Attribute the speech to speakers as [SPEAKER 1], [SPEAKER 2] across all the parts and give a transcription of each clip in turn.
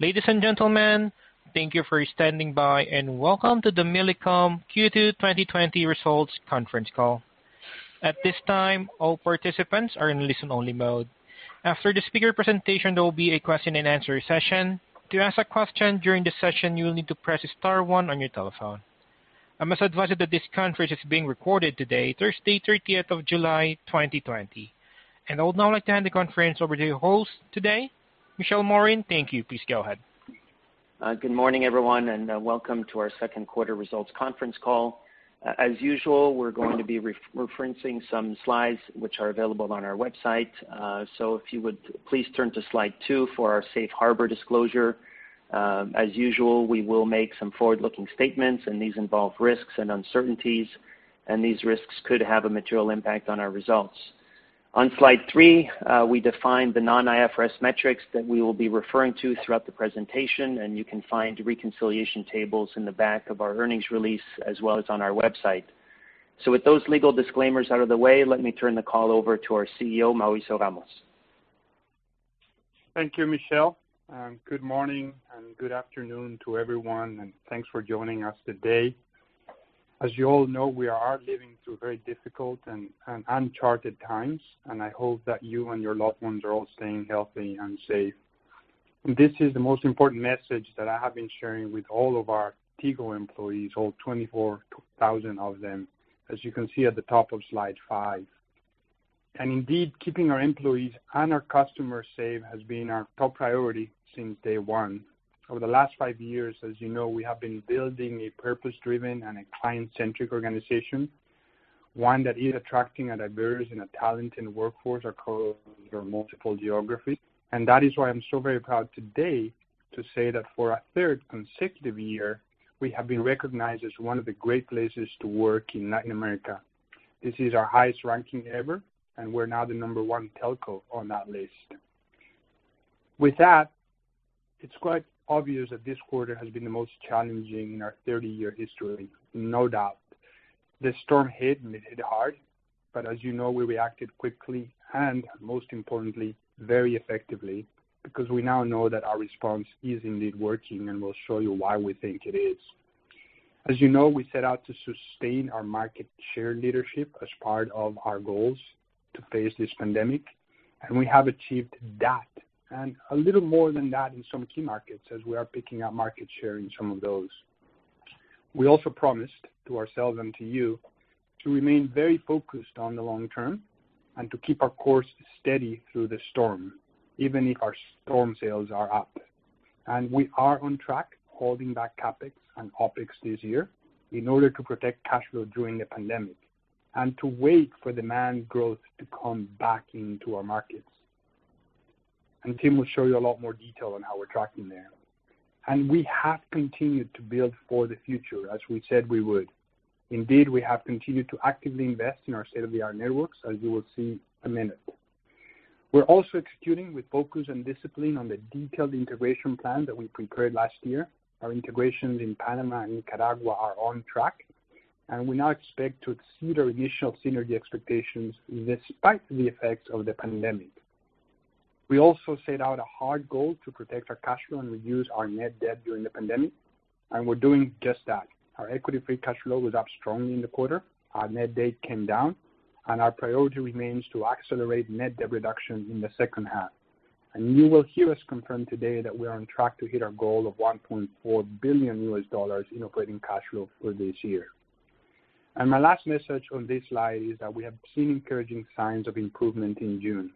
[SPEAKER 1] Ladies and gentlemen, thank you for standing by, and welcome to the Millicom Q2 2020 results conference call. At this time, all participants are in listen-only mode. After the speaker presentation, there will be a question-and-answer session. To ask a question during the session, you will need to press star one on your telephone. I must advise you that this conference is being recorded today, Thursday, 30th of July, 2020. I would now like to hand the conference over to your host today, Michel Morin. Thank you. Please go ahead.
[SPEAKER 2] Good morning, everyone, and welcome to our second quarter results conference call. As usual, we're going to be referencing some slides which are available on our website. If you would please turn to slide two for our safe harbor disclosure. As usual, we will make some forward-looking statements, and these involve risks and uncertainties, and these risks could have a material impact on our results. On slide three, we define the non-IFRS metrics that we will be referring to throughout the presentation, and you can find reconciliation tables in the back of our earnings release as well as on our website. With those legal disclaimers out of the way, let me turn the call over to our CEO, Mauricio Ramos.
[SPEAKER 3] Thank you, Michel. Good morning and good afternoon to everyone, and thanks for joining us today. As you all know, we are living through very difficult and uncharted times, and I hope that you and your loved ones are all staying healthy and safe. This is the most important message that I have been sharing with all of our Tigo employees, all 24,000 of them, as you can see at the top of slide five. Indeed, keeping our employees and our customers safe has been our top priority since day one. Over the last five years, as you know, we have been building a purpose-driven and a client-centric organization, one that is attracting a diverse and a talented workforce across multiple geographies. That is why I'm so very proud today to say that for our third consecutive year, we have been recognized as one of the great places to work in Latin America. This is our highest ranking ever, and we're now the number one telco on that list. With that, it's quite obvious that this quarter has been the most challenging in our 30-year history, no doubt. The storm hit and it hit hard, but as you know, we reacted quickly and, most importantly, very effectively because we now know that our response is indeed working, and we'll show you why we think it is. As you know, we set out to sustain our market share leadership as part of our goals to face this pandemic, and we have achieved that and a little more than that in some key markets as we are picking up market share in some of those. We also promised to ourselves and to you to remain very focused on the long term and to keep our course steady through the storm, even if our storm sales are up. We are on track holding back CapEx and OpEx this year in order to protect cash flow during the pandemic and to wait for demand growth to come back into our markets. Tim will show you a lot more detail on how we're tracking there. We have continued to build for the future as we said we would. Indeed, we have continued to actively invest in our state-of-the-art networks, as you will see in a minute. We are also executing with focus and discipline on the detailed integration plan that we prepared last year. Our integrations in Panama and Nicaragua are on track, and we now expect to exceed our initial synergy expectations despite the effects of the pandemic. We also set out a hard goal to protect our cash flow and reduce our net debt during the pandemic, and we are doing just that. Our equity-free cash flow was up strongly in the quarter, our net debt came down, and our priority remains to accelerate net debt reduction in the second half. You will hear us confirm today that we are on track to hit our goal of $1.4 billion in operating cash flow for this year. My last message on this slide is that we have seen encouraging signs of improvement in June.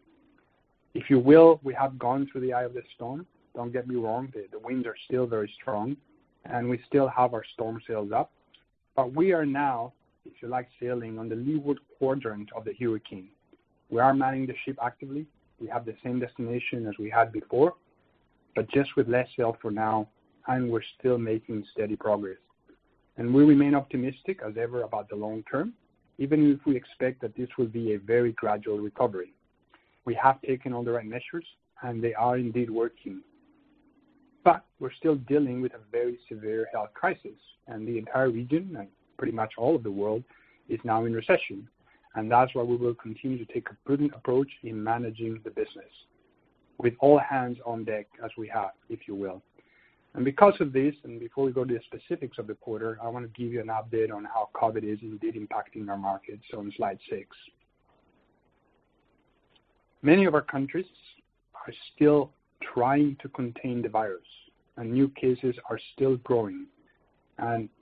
[SPEAKER 3] If you will, we have gone through the eye of the storm. Do not get me wrong, the winds are still very strong, and we still have our storm sails up, but we are now, if you like, sailing on the leeward quadrant of the hurricane. We are manning the ship actively. We have the same destination as we had before, but just with less sails for now, and we are still making steady progress. We remain optimistic as ever about the long term, even if we expect that this will be a very gradual recovery. We have taken all the right measures, and they are indeed working. We're still dealing with a very severe health crisis, and the entire region and pretty much all of the world is now in recession. That's why we will continue to take a prudent approach in managing the business with all hands on deck as we have, if you will. Because of this, and before we go to the specifics of the quarter, I want to give you an update on how COVID is indeed impacting our markets. On slide six, many of our countries are still trying to contain the virus, and new cases are still growing.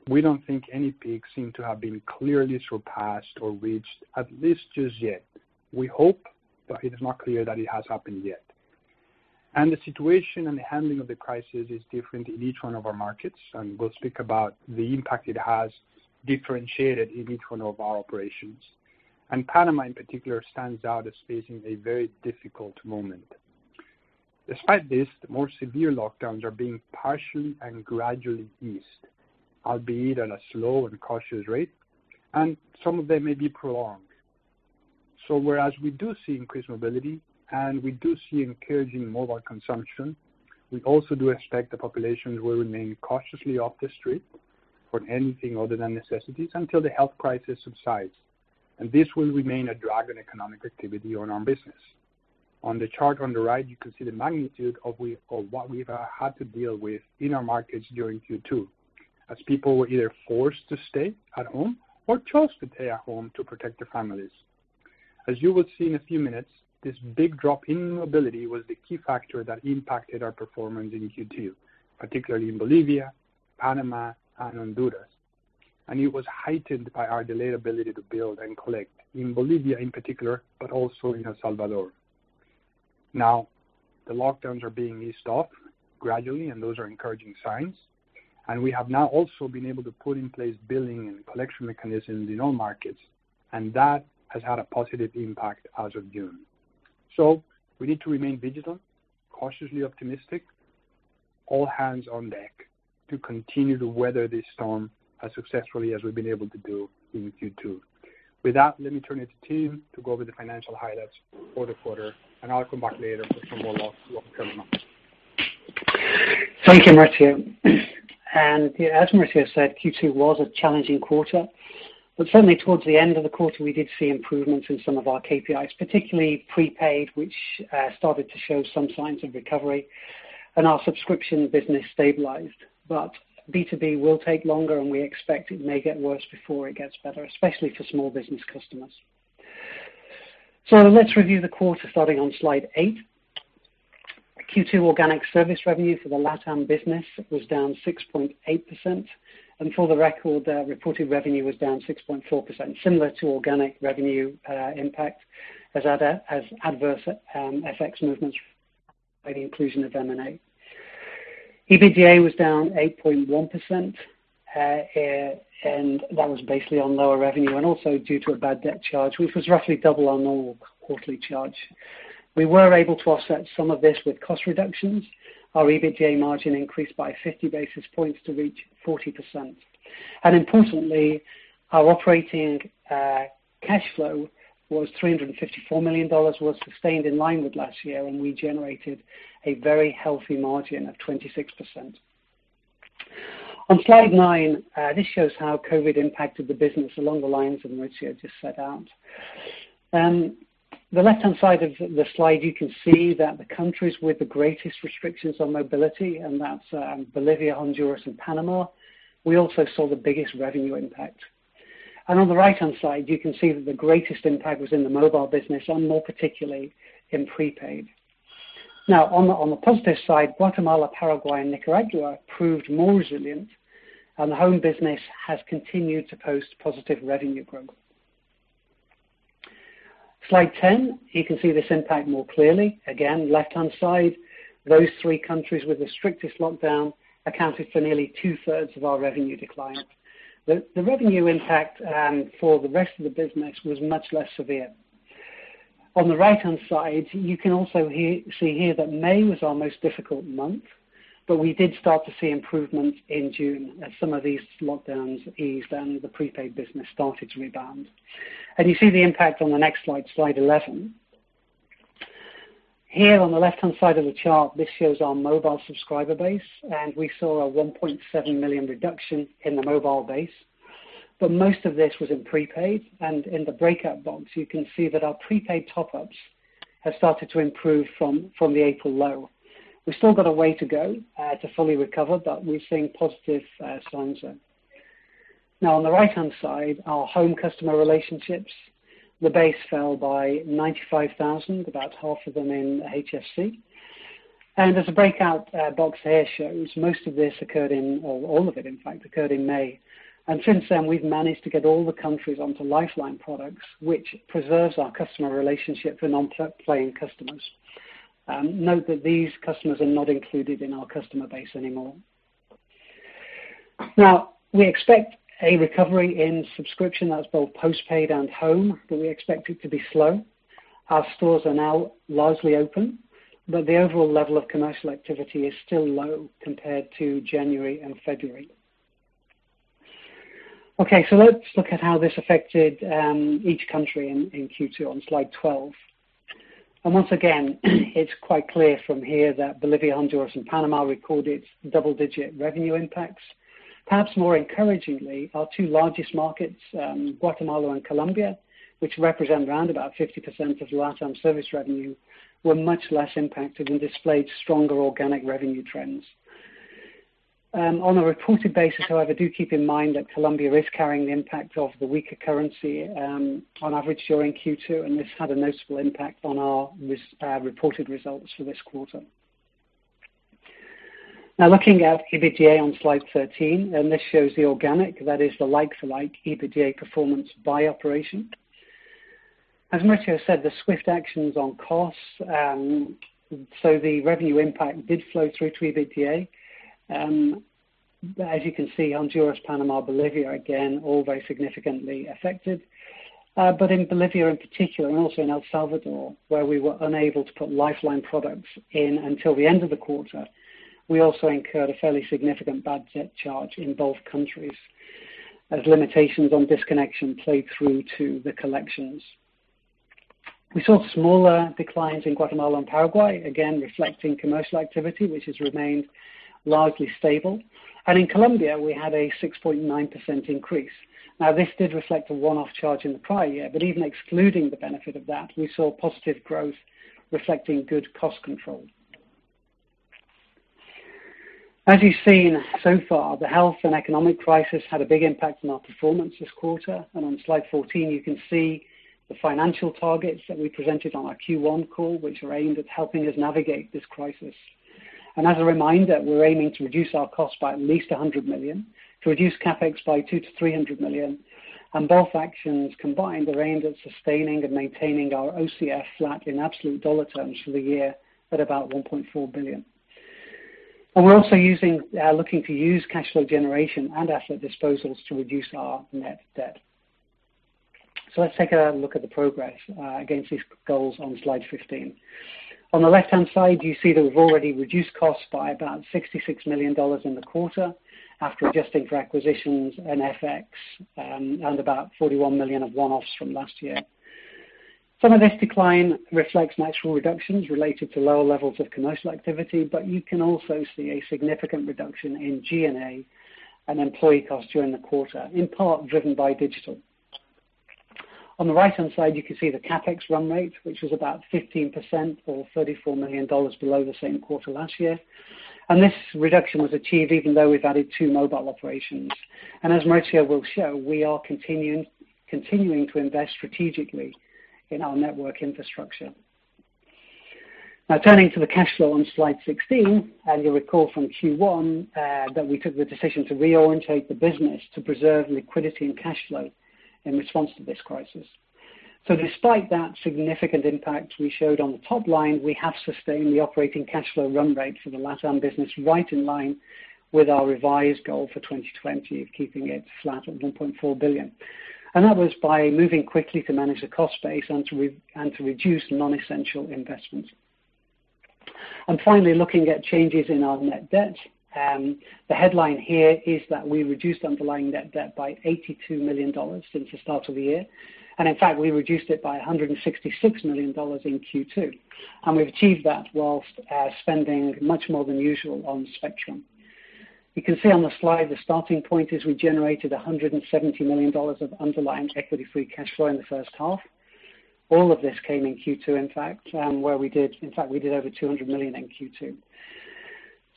[SPEAKER 3] We don't think any peak seems to have been clearly surpassed or reached, at least just yet. We hope, but it is not clear that it has happened yet. The situation and the handling of the crisis is different in each one of our markets, and we will speak about the impact it has differentiated in each one of our operations. Panama, in particular, stands out as facing a very difficult moment. Despite this, the more severe lockdowns are being partially and gradually eased, albeit at a slow and cautious rate, and some of them may be prolonged. Whereas we do see increased mobility and we do see encouraging mobile consumption, we also do expect the populations will remain cautiously off the street for anything other than necessities until the health crisis subsides, and this will remain a drag on economic activity on our business. On the chart on the right, you can see the magnitude of what we've had to deal with in our markets during Q2, as people were either forced to stay at home or chose to stay at home to protect their families. As you will see in a few minutes, this big drop in mobility was the key factor that impacted our performance in Q2, particularly in Bolivia, Panama, and Honduras, and it was heightened by our delayed ability to bill and collect in Bolivia in particular, but also in El Salvador. Now, the lockdowns are being eased off gradually, and those are encouraging signs, and we have now also been able to put in place billing and collection mechanisms in all markets, and that has had a positive impact as of June. We need to remain vigilant, cautiously optimistic, all hands on deck to continue to weather this storm as successfully as we have been able to do in Q2. With that, let me turn it to Tim to go over the financial highlights for the quarter, and I will come back later for some more lockdown.
[SPEAKER 4] Thank you, Mauricio. As Mauricio said, Q2 was a challenging quarter, but certainly towards the end of the quarter, we did see improvements in some of our KPIs, particularly prepaid, which started to show some signs of recovery, and our subscription business stabilized. B2B will take longer, and we expect it may get worse before it gets better, especially for small business customers. Let's review the quarter starting on slide eight. Q2 organic service revenue for the LATAM business was down 6.8%, and for the record, reported revenue was down 6.4%, similar to organic revenue impact as adverse effects movements by the inclusion of M&A. EBITDA was down 8.1%, and that was basically on lower revenue and also due to a bad debt charge, which was roughly double our normal quarterly charge. We were able to offset some of this with cost reductions. Our EBITDA margin increased by 50 basis points to reach 40%. Importantly, our operating cash flow was $354 million, was sustained in line with last year, and we generated a very healthy margin of 26%. On slide nine, this shows how COVID impacted the business along the lines of Marcio just set out. On the left-hand side of the slide, you can see that the countries with the greatest restrictions on mobility, and that's Bolivia, Honduras, and Panama, we also saw the biggest revenue impact. On the right-hand side, you can see that the greatest impact was in the mobile business and more particularly in prepaid. Now, on the positive side, Guatemala, Paraguay, and Nicaragua proved more resilient, and the home business has continued to post positive revenue growth. Slide 10, you can see this impact more clearly. Again, left-hand side, those three countries with the strictest lockdown accounted for nearly two-thirds of our revenue decline. The revenue impact for the rest of the business was much less severe. On the right-hand side, you can also see here that May was our most difficult month, but we did start to see improvements in June as some of these lockdowns eased and the prepaid business started to rebound. You see the impact on the next slide, slide 11. Here on the left-hand side of the chart, this shows our mobile subscriber base, and we saw a $1.7 million reduction in the mobile base, but most of this was in prepaid. In the breakout box, you can see that our prepaid top-ups have started to improve from the April low. We have still got a way to go to fully recover, but we are seeing positive signs there. Now, on the right-hand side, our home customer relationships, the base fell by 95,000, about half of them in HSC. As a breakout box here shows, most of this occurred in, or all of it in fact, occurred in May. Since then, we have managed to get all the countries onto Lifeline products, which preserves our customer relationship for non-paying customers. Note that these customers are not included in our customer base anymore. We expect a recovery in subscription that is both postpaid and home, but we expect it to be slow. Our stores are now largely open, but the overall level of commercial activity is still low compared to January and February. Okay, let us look at how this affected each country in Q2 on slide 12. Once again, it is quite clear from here that Bolivia, Honduras, and Panama recorded double-digit revenue impacts. Perhaps more encouragingly, our two largest markets, Guatemala and Colombia, which represent around about 50% of LATAM service revenue, were much less impacted and displayed stronger organic revenue trends. On a reported basis, however, do keep in mind that Colombia is carrying the impact of the weaker currency on average during Q2, and this had a notable impact on our reported results for this quarter. Now, looking at EBITDA on slide 13, and this shows the organic, that is the like-for-like EBITDA performance by operation. As Mauricio said, the swift actions on costs, so the revenue impact did flow through to EBITDA. As you can see, Honduras, Panama, Bolivia, again, all very significantly affected. In Bolivia in particular, and also in El Salvador, where we were unable to put Lifeline products in until the end of the quarter, we also incurred a fairly significant bad debt charge in both countries as limitations on disconnection played through to the collections. We saw smaller declines in Guatemala and Paraguay, again reflecting commercial activity, which has remained largely stable. In Colombia, we had a 6.9% increase. This did reflect a one-off charge in the prior year, but even excluding the benefit of that, we saw positive growth reflecting good cost control. As you've seen so far, the health and economic crisis had a big impact on our performance this quarter, and on slide 14, you can see the financial targets that we presented on our Q1 call, which are aimed at helping us navigate this crisis. As a reminder, we're aiming to reduce our cost by at least $100 million, to reduce CapEx by $200 million-$300 million, and both actions combined are aimed at sustaining and maintaining our OCF flat in absolute dollar terms for the year at about $1.4 billion. We're also looking to use cash flow generation and asset disposals to reduce our net debt. Let's take a look at the progress against these goals on slide 15. On the left-hand side, you see that we've already reduced costs by about $66 million in the quarter after adjusting for acquisitions and FX and about $41 million of one-offs from last year. Some of this decline reflects natural reductions related to lower levels of commercial activity, but you can also see a significant reduction in G&A and employee costs during the quarter, in part driven by digital. On the right-hand side, you can see the CapEx run rate, which was about 15% or $34 million below the same quarter last year, and this reduction was achieved even though we've added two mobile operations. As Mauricio will show, we are continuing to invest strategically in our network infrastructure. Now, turning to the cash flow on slide 16, you recall from Q1 that we took the decision to reorientate the business to preserve liquidity and cash flow in response to this crisis. Despite that significant impact we showed on the top line, we have sustained the operating cash flow run rate for the LATAM business right in line with our revised goal for 2020 of keeping it flat at $1.4 billion. That was by moving quickly to manage the cost base and to reduce non-essential investments. Finally, looking at changes in our net debt, the headline here is that we reduced underlying net debt by $82 million since the start of the year, and in fact, we reduced it by $166 million in Q2, and we have achieved that whilst spending much more than usual on spectrum. You can see on the slide the starting point is we generated $170 million of underlying equity-free cash flow in the first half. All of this came in Q2, in fact, where we did, in fact, we did over $200 million in Q2.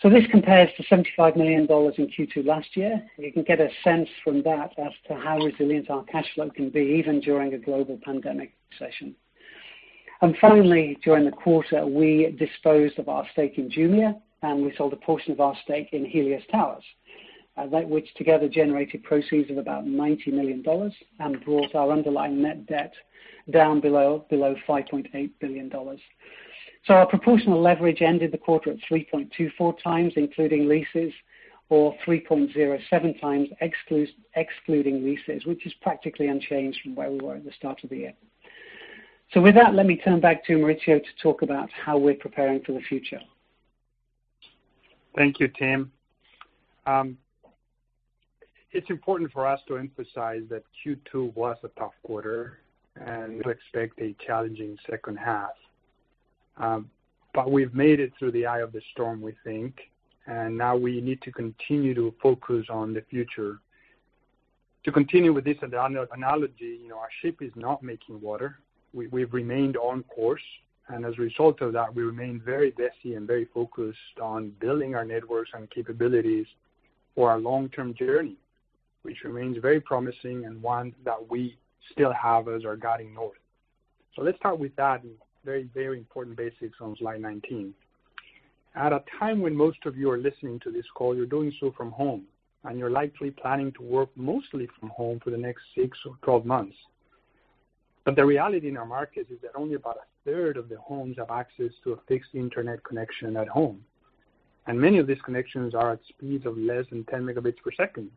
[SPEAKER 4] This compares to $75 million in Q2 last year. You can get a sense from that as to how resilient our cash flow can be even during a global pandemic session. Finally, during the quarter, we disposed of our stake in Jumia, and we sold a portion of our stake in Helios Towers, which together generated proceeds of about $90 million and brought our underlying net debt down below $5.8 billion. Our proportional leverage ended the quarter at 3.24 times, including leases, or 3.07 times excluding leases, which is practically unchanged from where we were at the start of the year. With that, let me turn back to Marcio to talk about how we're preparing for the future.
[SPEAKER 3] Thank you, Tim. It's important for us to emphasize that Q2 was a tough quarter, and to expect a challenging second half. We have made it through the eye of the storm, we think, and now we need to continue to focus on the future. To continue with this analogy, our ship is not making water. We have remained on course, and as a result of that, we remain very messy and very focused on building our networks and capabilities for our long-term journey, which remains very promising and one that we still have as our guiding north. Let's start with that very, very important basics on slide 19. At a time when most of you are listening to this call, you are doing so from home, and you are likely planning to work mostly from home for the next 6 or 12 months. The reality in our market is that only about a third of the homes have access to a fixed internet connection at home, and many of these connections are at speeds of less than 10 megabits per second.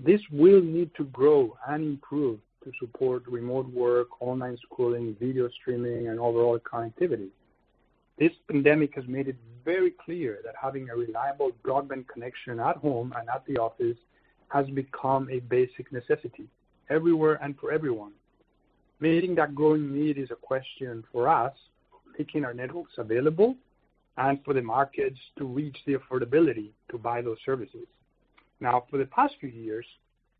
[SPEAKER 3] This will need to grow and improve to support remote work, online schooling, video streaming, and overall connectivity. This pandemic has made it very clear that having a reliable broadband connection at home and at the office has become a basic necessity everywhere and for everyone. Meeting that growing need is a question for us, making our networks available, and for the markets to reach the affordability to buy those services. Now, for the past few years,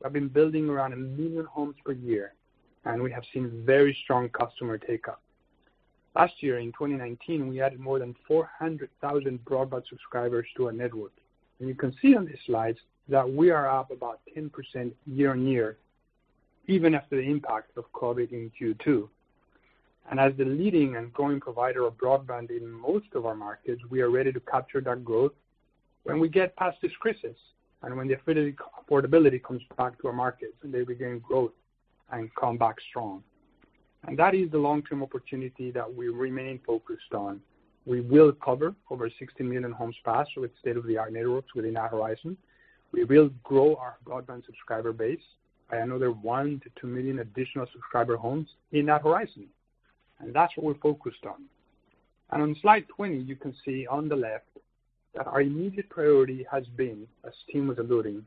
[SPEAKER 3] we've been building around a million homes per year, and we have seen very strong customer take-up. Last year, in 2019, we added more than 400,000 broadband subscribers to our network. You can see on these slides that we are up about 10% year on year, even after the impact of COVID in Q2. As the leading and growing provider of broadband in most of our markets, we are ready to capture that growth when we get past this crisis and when the affordability comes back to our markets and they regain growth and come back strong. That is the long-term opportunity that we remain focused on. We will cover over 60 million homes fast with state-of-the-art networks within our horizon. We will grow our broadband subscriber base by another 1-2 million additional subscriber homes in our horizon. That is what we are focused on. On slide 20, you can see on the left that our immediate priority has been, as Tim was alluding,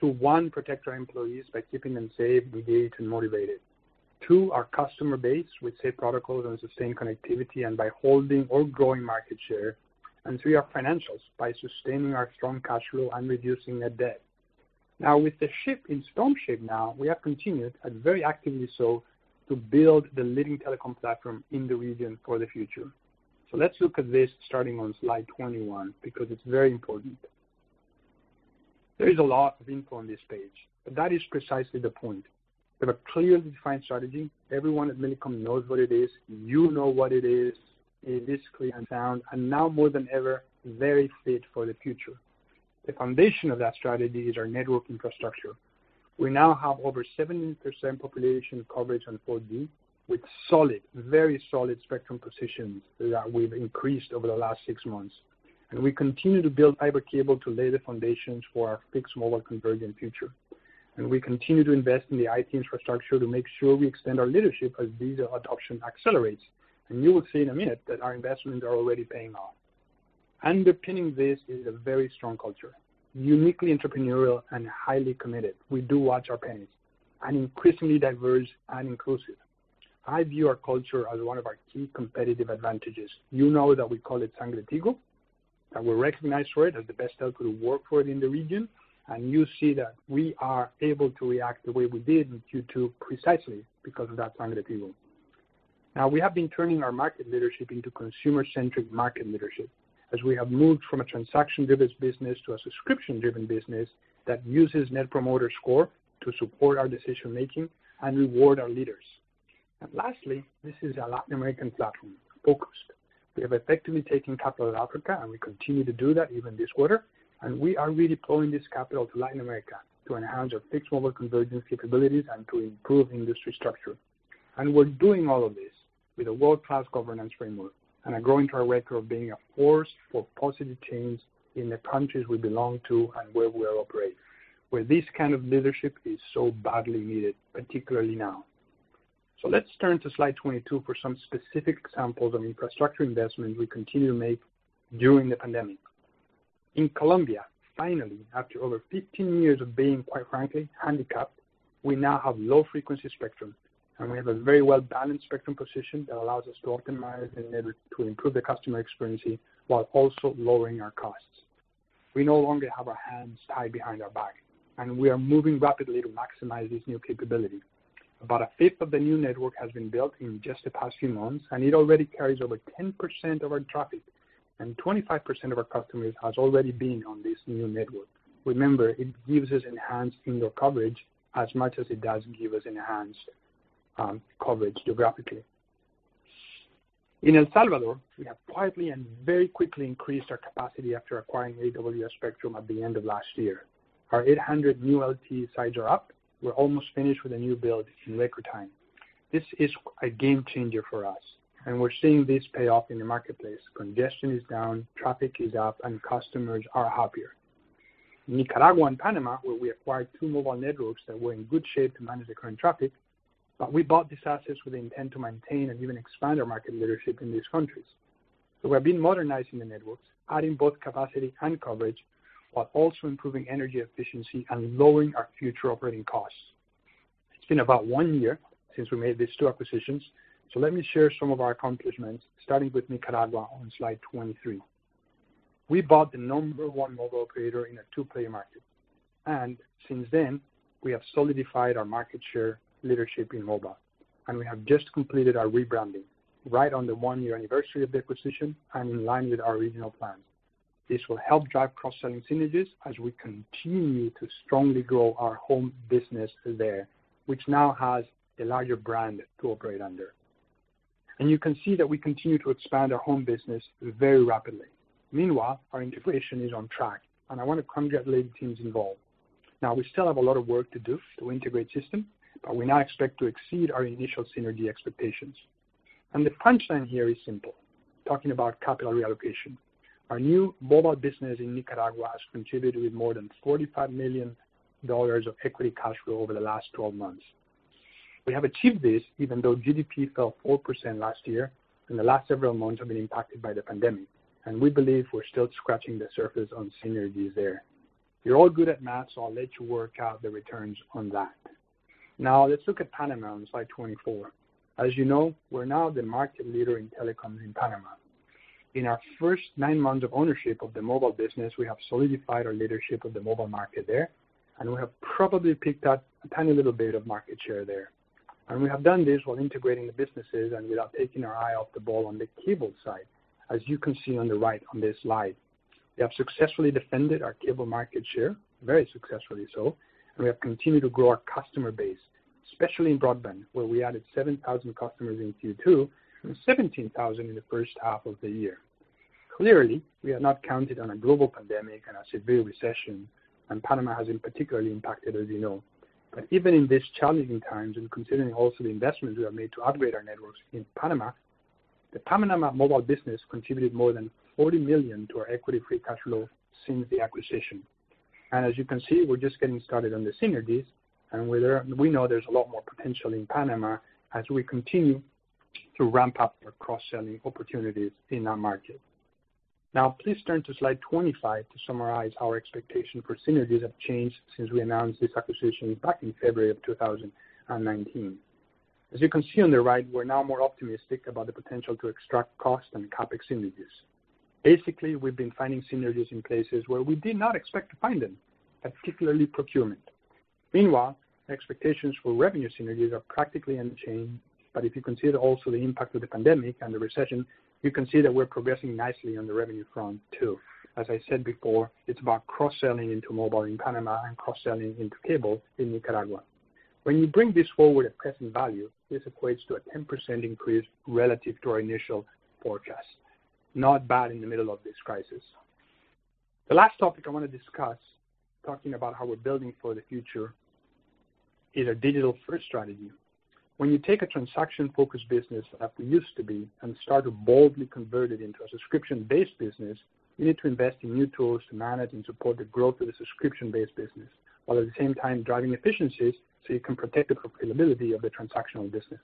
[SPEAKER 3] to one, protect our employees by keeping them safe, engaged, and motivated; two, our customer base with safe protocols and sustained connectivity and by holding or growing market share; and three, our financials by sustaining our strong cash flow and reducing net debt. Now, with the ship in storm shape now, we have continued, and very actively so, to build the leading telecom platform in the region for the future. Let's look at this starting on slide 21 because it's very important. There is a lot of info on this page, but that is precisely the point. We have a clearly defined strategy. Everyone at Millicom knows what it is. You know what it is. It is clear and sound, and now more than ever, very fit for the future. The foundation of that strategy is our network infrastructure. We now have over 70% population coverage on 4G with solid, very solid spectrum positions that we've increased over the last six months. We continue to build fiber cable to lay the foundations for our fixed mobile convergent future. We continue to invest in the IT infrastructure to make sure we extend our leadership as these adoptions accelerate. You will see in a minute that our investments are already paying off. Underpinning this is a very strong culture, uniquely entrepreneurial and highly committed. We do watch our pennies and increasingly diverse and inclusive. I view our culture as one of our key competitive advantages. You know that we call it Sangre Tigo, that we're recognized for it as the best telco to work for in the region, and you see that we are able to react the way we did in Q2 precisely because of that Sangre Tigo. Now, we have been turning our market leadership into consumer-centric market leadership as we have moved from a transaction-driven business to a subscription-driven business that uses Net Promoter Score to support our decision-making and reward our leaders. Lastly, this is a Latin American platform focused. We have effectively taken capital to Africa, and we continue to do that even this quarter, and we are redeploying this capital to Latin America to enhance our fixed mobile convergence capabilities and to improve industry structure. We are doing all of this with a world-class governance framework and a growing trajectory of being a force for positive change in the countries we belong to and where we operate, where this kind of leadership is so badly needed, particularly now. Let's turn to slide 22 for some specific examples of infrastructure investments we continue to make during the pandemic. In Colombia, finally, after over 15 years of being, quite frankly, handicapped, we now have low-frequency spectrum, and we have a very well-balanced spectrum position that allows us to optimize and to improve the customer experience while also lowering our costs. We no longer have our hands tied behind our back, and we are moving rapidly to maximize this new capability. About a fifth of the new network has been built in just the past few months, and it already carries over 10% of our traffic, and 25% of our customers have already been on this new network. Remember, it gives us enhanced indoor coverage as much as it does give us enhanced coverage geographically. In El Salvador, we have quietly and very quickly increased our capacity after acquiring AWS spectrum at the end of last year. Our 800 new LTE sites are up. We're almost finished with a new build in record time. This is a game changer for us, and we're seeing this pay off in the marketplace. Congestion is down, traffic is up, and customers are happier. In Nicaragua and Panama, where we acquired two mobile networks that were in good shape to manage the current traffic, we bought these assets with the intent to maintain and even expand our market leadership in these countries. We have been modernizing the networks, adding both capacity and coverage, while also improving energy efficiency and lowering our future operating costs. It has been about one year since we made these two acquisitions, so let me share some of our accomplishments, starting with Nicaragua on slide 23. We bought the number one mobile operator in a two-player market, and since then, we have solidified our market share leadership in mobile, and we have just completed our rebranding right on the one-year anniversary of the acquisition and in line with our original plan. This will help drive cross-selling synergies as we continue to strongly grow our home business there, which now has a larger brand to operate under. You can see that we continue to expand our home business very rapidly. Meanwhile, our integration is on track, and I want to congratulate the teams involved. We still have a lot of work to do to integrate systems, but we now expect to exceed our initial synergy expectations. The punchline here is simple, talking about capital reallocation. Our new mobile business in Nicaragua has contributed with more than $45 million of equity cash flow over the last 12 months. We have achieved this even though GDP fell 4% last year, and the last several months have been impacted by the pandemic, and we believe we are still scratching the surface on synergies there. You're all good at math, so I'll let you work out the returns on that. Now, let's look at Panama on slide 24. As you know, we're now the market leader in telecoms in Panama. In our first nine months of ownership of the mobile business, we have solidified our leadership of the mobile market there, and we have probably picked up a tiny little bit of market share there. We have done this while integrating the businesses and without taking our eye off the ball on the cable side, as you can see on the right on this slide. We have successfully defended our cable market share, very successfully so, and we have continued to grow our customer base, especially in broadband, where we added 7,000 customers in Q2 and 17,000 in the first half of the year. Clearly, we have not counted on a global pandemic and a severe recession, and Panama has been particularly impacted, as you know. Even in these challenging times, and considering also the investments we have made to upgrade our networks in Panama, the Panama mobile business contributed more than $40 million to our equity-free cash flow since the acquisition. As you can see, we're just getting started on the synergies, and we know there's a lot more potential in Panama as we continue to ramp up our cross-selling opportunities in our market. Now, please turn to slide 25 to summarize our expectation for synergies that have changed since we announced this acquisition back in February of 2019. As you can see on the right, we're now more optimistic about the potential to extract cost and CapEx synergies. Basically, we've been finding synergies in places where we did not expect to find them, particularly procurement. Meanwhile, expectations for revenue synergies are practically unchanged, but if you consider also the impact of the pandemic and the recession, you can see that we're progressing nicely on the revenue front too. As I said before, it's about cross-selling into mobile in Panama and cross-selling into cable in Nicaragua. When you bring this forward at present value, this equates to a 10% increase relative to our initial forecast. Not bad in the middle of this crisis. The last topic I want to discuss, talking about how we're building for the future, is our digital-first strategy. When you take a transaction-focused business that we used to be and start to boldly convert it into a subscription-based business, you need to invest in new tools to manage and support the growth of the subscription-based business, while at the same time driving efficiencies so you can protect the profitability of the transactional business.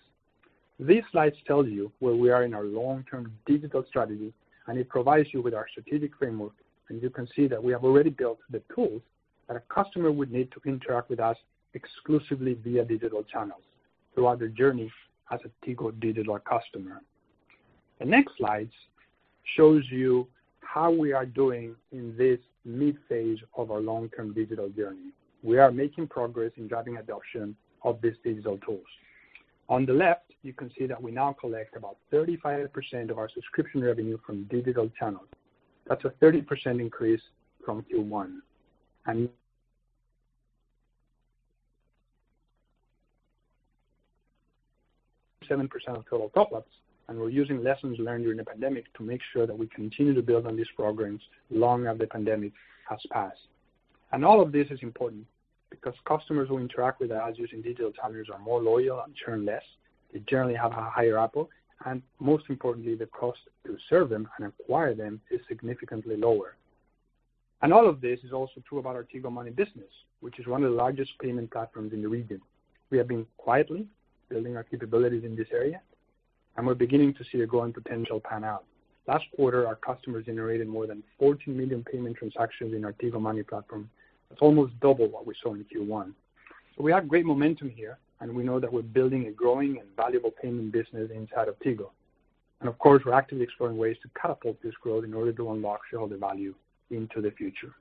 [SPEAKER 3] These slides tell you where we are in our long-term digital strategy, and it provides you with our strategic framework, and you can see that we have already built the tools that a customer would need to interact with us exclusively via digital channels throughout their journey as a Tigo Digital customer. The next slides show you how we are doing in this mid-phase of our long-term digital journey. We are making progress in driving adoption of these digital tools. On the left, you can see that we now collect about 35% of our subscription revenue from digital channels. That is a 30% increase from Q1 and 7% of total top-ups, and we are using lessons learned during the pandemic to make sure that we continue to build on these programs long after the pandemic has passed. All of this is important because customers who interact with us using digital channels are more loyal and churn less. They generally have a higher ARPU, and most importantly, the cost to serve them and acquire them is significantly lower. All of this is also true about our Tigo Money business, which is one of the largest payment platforms in the region. We have been quietly building our capabilities in this area, and we are beginning to see a growing potential pan out. Last quarter, our customers generated more than 14 million payment transactions in our Tigo Money platform. That is almost double what we saw in Q1. We have great momentum here, and we know that we are building a growing and valuable payment business inside of Tigo. Of course, we are actively exploring ways to catapult this growth in order to unlock shareholder value into the future.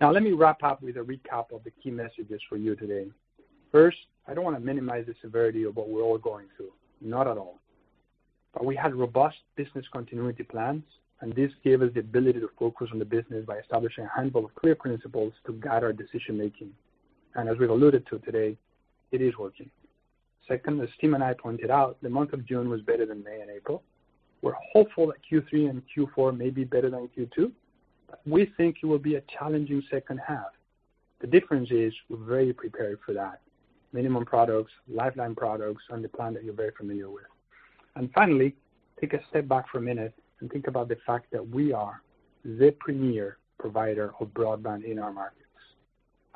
[SPEAKER 3] Now, let me wrap up with a recap of the key messages for you today. First, I do not want to minimize the severity of what we are all going through. Not at all. We had robust business continuity plans, and this gave us the ability to focus on the business by establishing a handful of clear principles to guide our decision-making. As we have alluded to today, it is working. Second, as Tim and I pointed out, the month of June was better than May and April. We're hopeful that Q3 and Q4 may be better than Q2, but we think it will be a challenging second half. The difference is we're very prepared for that. Minimum products, lifeline products, and the plan that you're very familiar with. Finally, take a step back for a minute and think about the fact that we are the premier provider of broadband in our markets,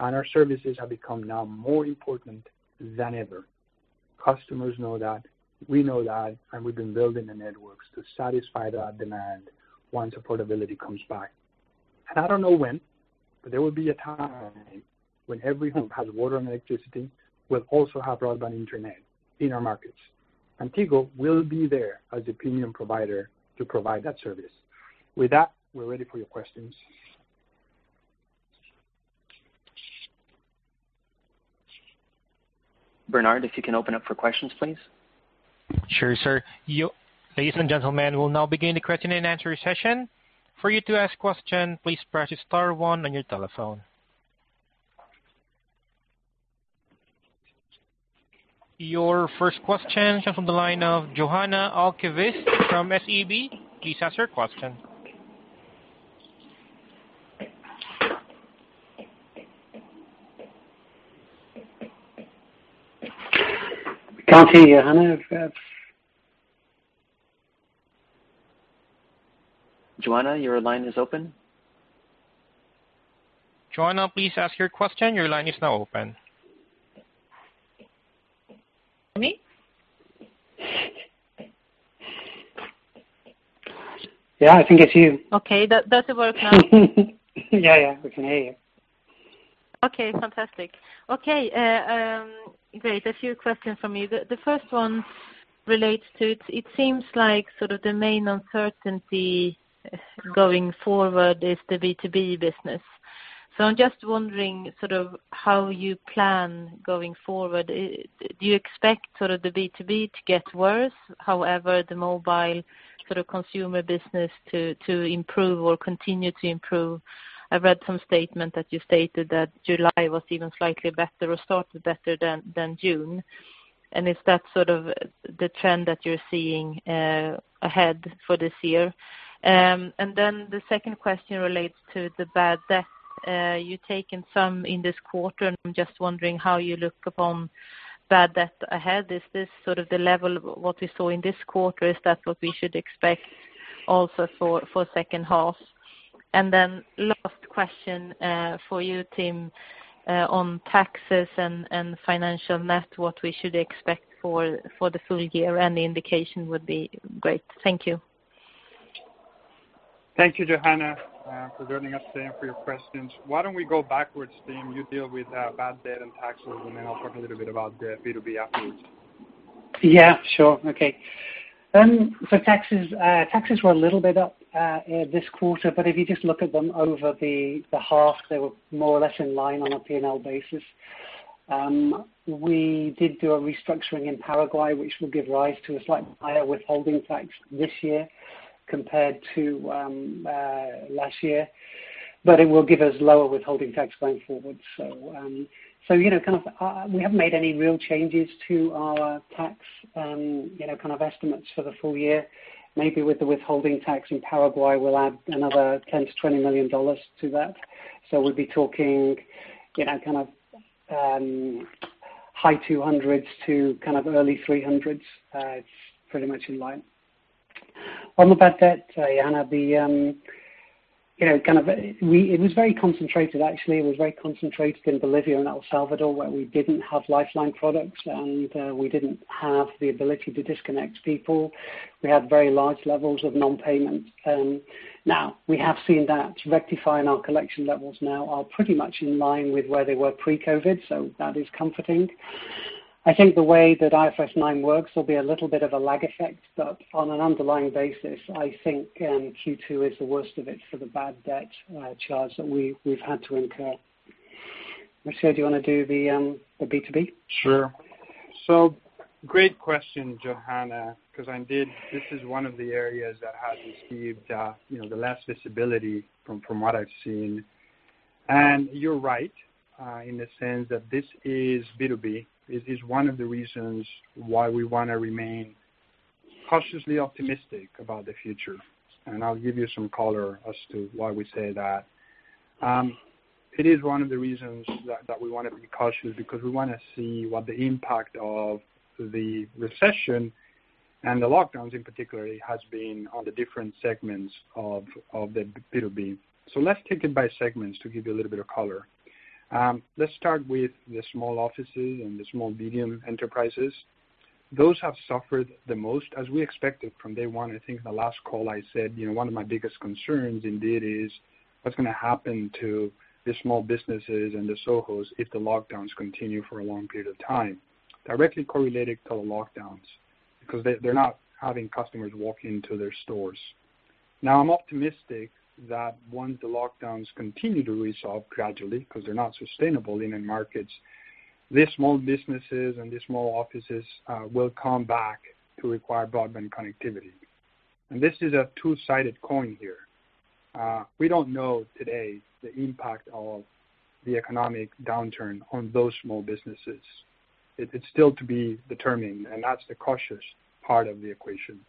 [SPEAKER 3] and our services have become now more important than ever. Customers know that. We know that, and we've been building the networks to satisfy that demand once affordability comes back. I don't know when, but there will be a time when every home that has water and electricity will also have broadband internet in our markets. Tigo will be there as the premium provider to provide that service. With that, we're ready for your questions.
[SPEAKER 2] Bernard, if you can open up for questions, please.
[SPEAKER 1] Sure, sir. Ladies and gentlemen, we'll now begin the question and answer session. For you to ask a question, please press the star one on your telephone. Your first question comes from the line of Johanna Alcabist from SEB. Please ask your question. Johanna, can you hear me? Johanna, your line is open. Johanna, please ask your question. Your line is now open. Yeah, I think I see you.
[SPEAKER 5] Okay, that doesn't work now. Yeah, yeah, we can hear you. Okay, fantastic. Okay, great. A few questions for me. The first one relates to it seems like sort of the main uncertainty going forward is the B2B business. I am just wondering sort of how you plan going forward. Do you expect sort of the B2B to get worse, however, the mobile sort of consumer business to improve or continue to improve? I've read some statement that you stated that July was even slightly better or started better than June. Is that sort of the trend that you're seeing ahead for this year? The second question relates to the bad debt. You've taken some in this quarter, and I'm just wondering how you look upon bad debt ahead. Is this sort of the level of what we saw in this quarter? Is that what we should expect also for the second half? Last question for you, Tim, on taxes and financial net, what we should expect for the full year, any indication would be great. Thank you.
[SPEAKER 3] Thank you, Johanna, for joining us today and for your questions. Why don't we go backwards, Tim? You deal with bad debt and taxes, and then I'll talk a little bit about the B2B afterwards.
[SPEAKER 4] Yeah, sure. Okay. Taxes were a little bit up this quarter, but if you just look at them over the half, they were more or less in line on a P&L basis. We did do a restructuring in Paraguay, which will give rise to a slightly higher withholding tax this year compared to last year, but it will give us lower withholding tax going forward. We have not made any real changes to our tax estimates for the full year. Maybe with the withholding tax in Paraguay, we will add another $10-$20 million to that. We will be talking kind of high $200 million to early $300 million. It is pretty much in line. On the bad debt, Johanna, it was very concentrated, actually. It was very concentrated in Bolivia and El Salvador, where we did not have lifeline products, and we did not have the ability to disconnect people. We had very large levels of non-payment. Now, we have seen that rectifying our collection levels now are pretty much in line with where they were pre-COVID, so that is comforting. I think the way that IFRS 9 works will be a little bit of a lag effect, but on an underlying basis, I think Q2 is the worst of it for the bad debt charge that we have had to incur. Michel, do you want to do the B2B?
[SPEAKER 2] Sure. Great question, Johanna, because this is one of the areas that has received the less visibility from what I have seen. You are right in the sense that this is B2B, is one of the reasons why we want to remain cautiously optimistic about the future. I will give you some color as to why we say that. It is one of the reasons that we want to be cautious because we want to see what the impact of the recession and the lockdowns, in particular, has been on the different segments of the B2B. Let us take it by segments to give you a little bit of color. Let us start with the small offices and the small medium enterprises. Those have suffered the most, as we expected from day one. I think the last call I said, one of my biggest concerns indeed is what's going to happen to the small businesses and the SOHOs if the lockdowns continue for a long period of time, directly correlated to the lockdowns because they're not having customers walk into their stores. Now, I'm optimistic that once the lockdowns continue to resolve gradually because they're not sustainable in the markets, these small businesses and these small offices will come back to require broadband connectivity. This is a two-sided coin here. We don't know today the impact of the economic downturn on those small businesses. It's still to be determined, and that's the cautious part of the equation.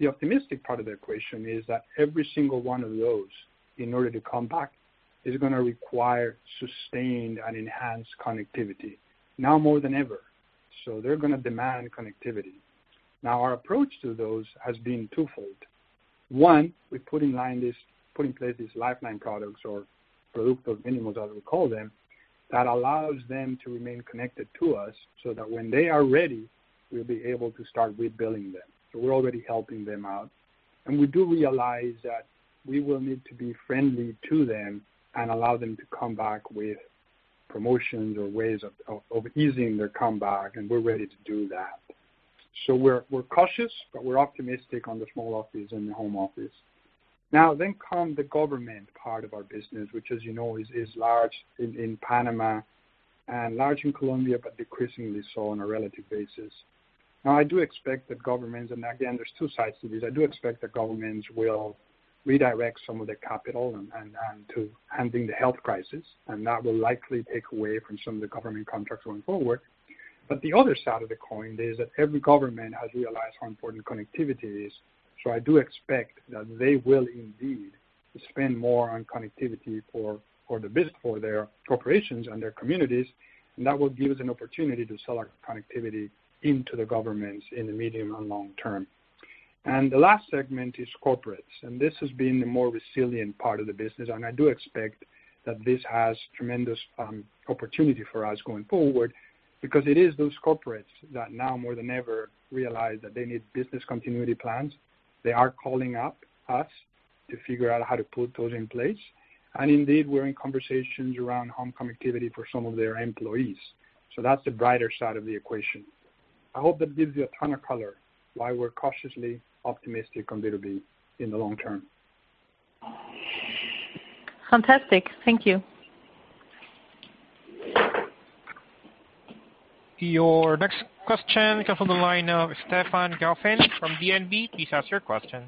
[SPEAKER 2] The optimistic part of the equation is that every single one of those, in order to come back, is going to require sustained and enhanced connectivity, now more than ever. They're going to demand connectivity. Now, our approach to those has been twofold. One, we've put in place these lifeline products, or product of minimals, as we call them, that allows them to remain connected to us so that when they are ready, we'll be able to start rebuilding them. We're already helping them out. We do realize that we will need to be friendly to them and allow them to come back with promotions or ways of easing their comeback, and we're ready to do that. We're cautious, but we're optimistic on the small office and the home office. Now, then comes the government part of our business, which, as you know, is large in Panama and large in Colombia, but decreasingly so on a relative basis. Now, I do expect that governments—and again, there are two sides to this—I do expect that governments will redirect some of their capital into handling the health crisis, and that will likely take away from some of the government contracts going forward. The other side of the coin is that every government has realized how important connectivity is. I do expect that they will indeed spend more on connectivity for their corporations and their communities, and that will give us an opportunity to sell our connectivity into the governments in the medium and long term. The last segment is corporates, and this has been the more resilient part of the business. I do expect that this has tremendous opportunity for us going forward because it is those corporates that now, more than ever, realize that they need business continuity plans. They are calling up us to figure out how to put those in place. Indeed, we're in conversations around home connectivity for some of their employees. That's the brighter side of the equation. I hope that gives you a ton of color why we're cautiously optimistic on B2B in the long term.
[SPEAKER 5] Fantastic. Thank you.
[SPEAKER 1] Your next question comes from the line of Stefan Gauffin from DNB. Please ask your question.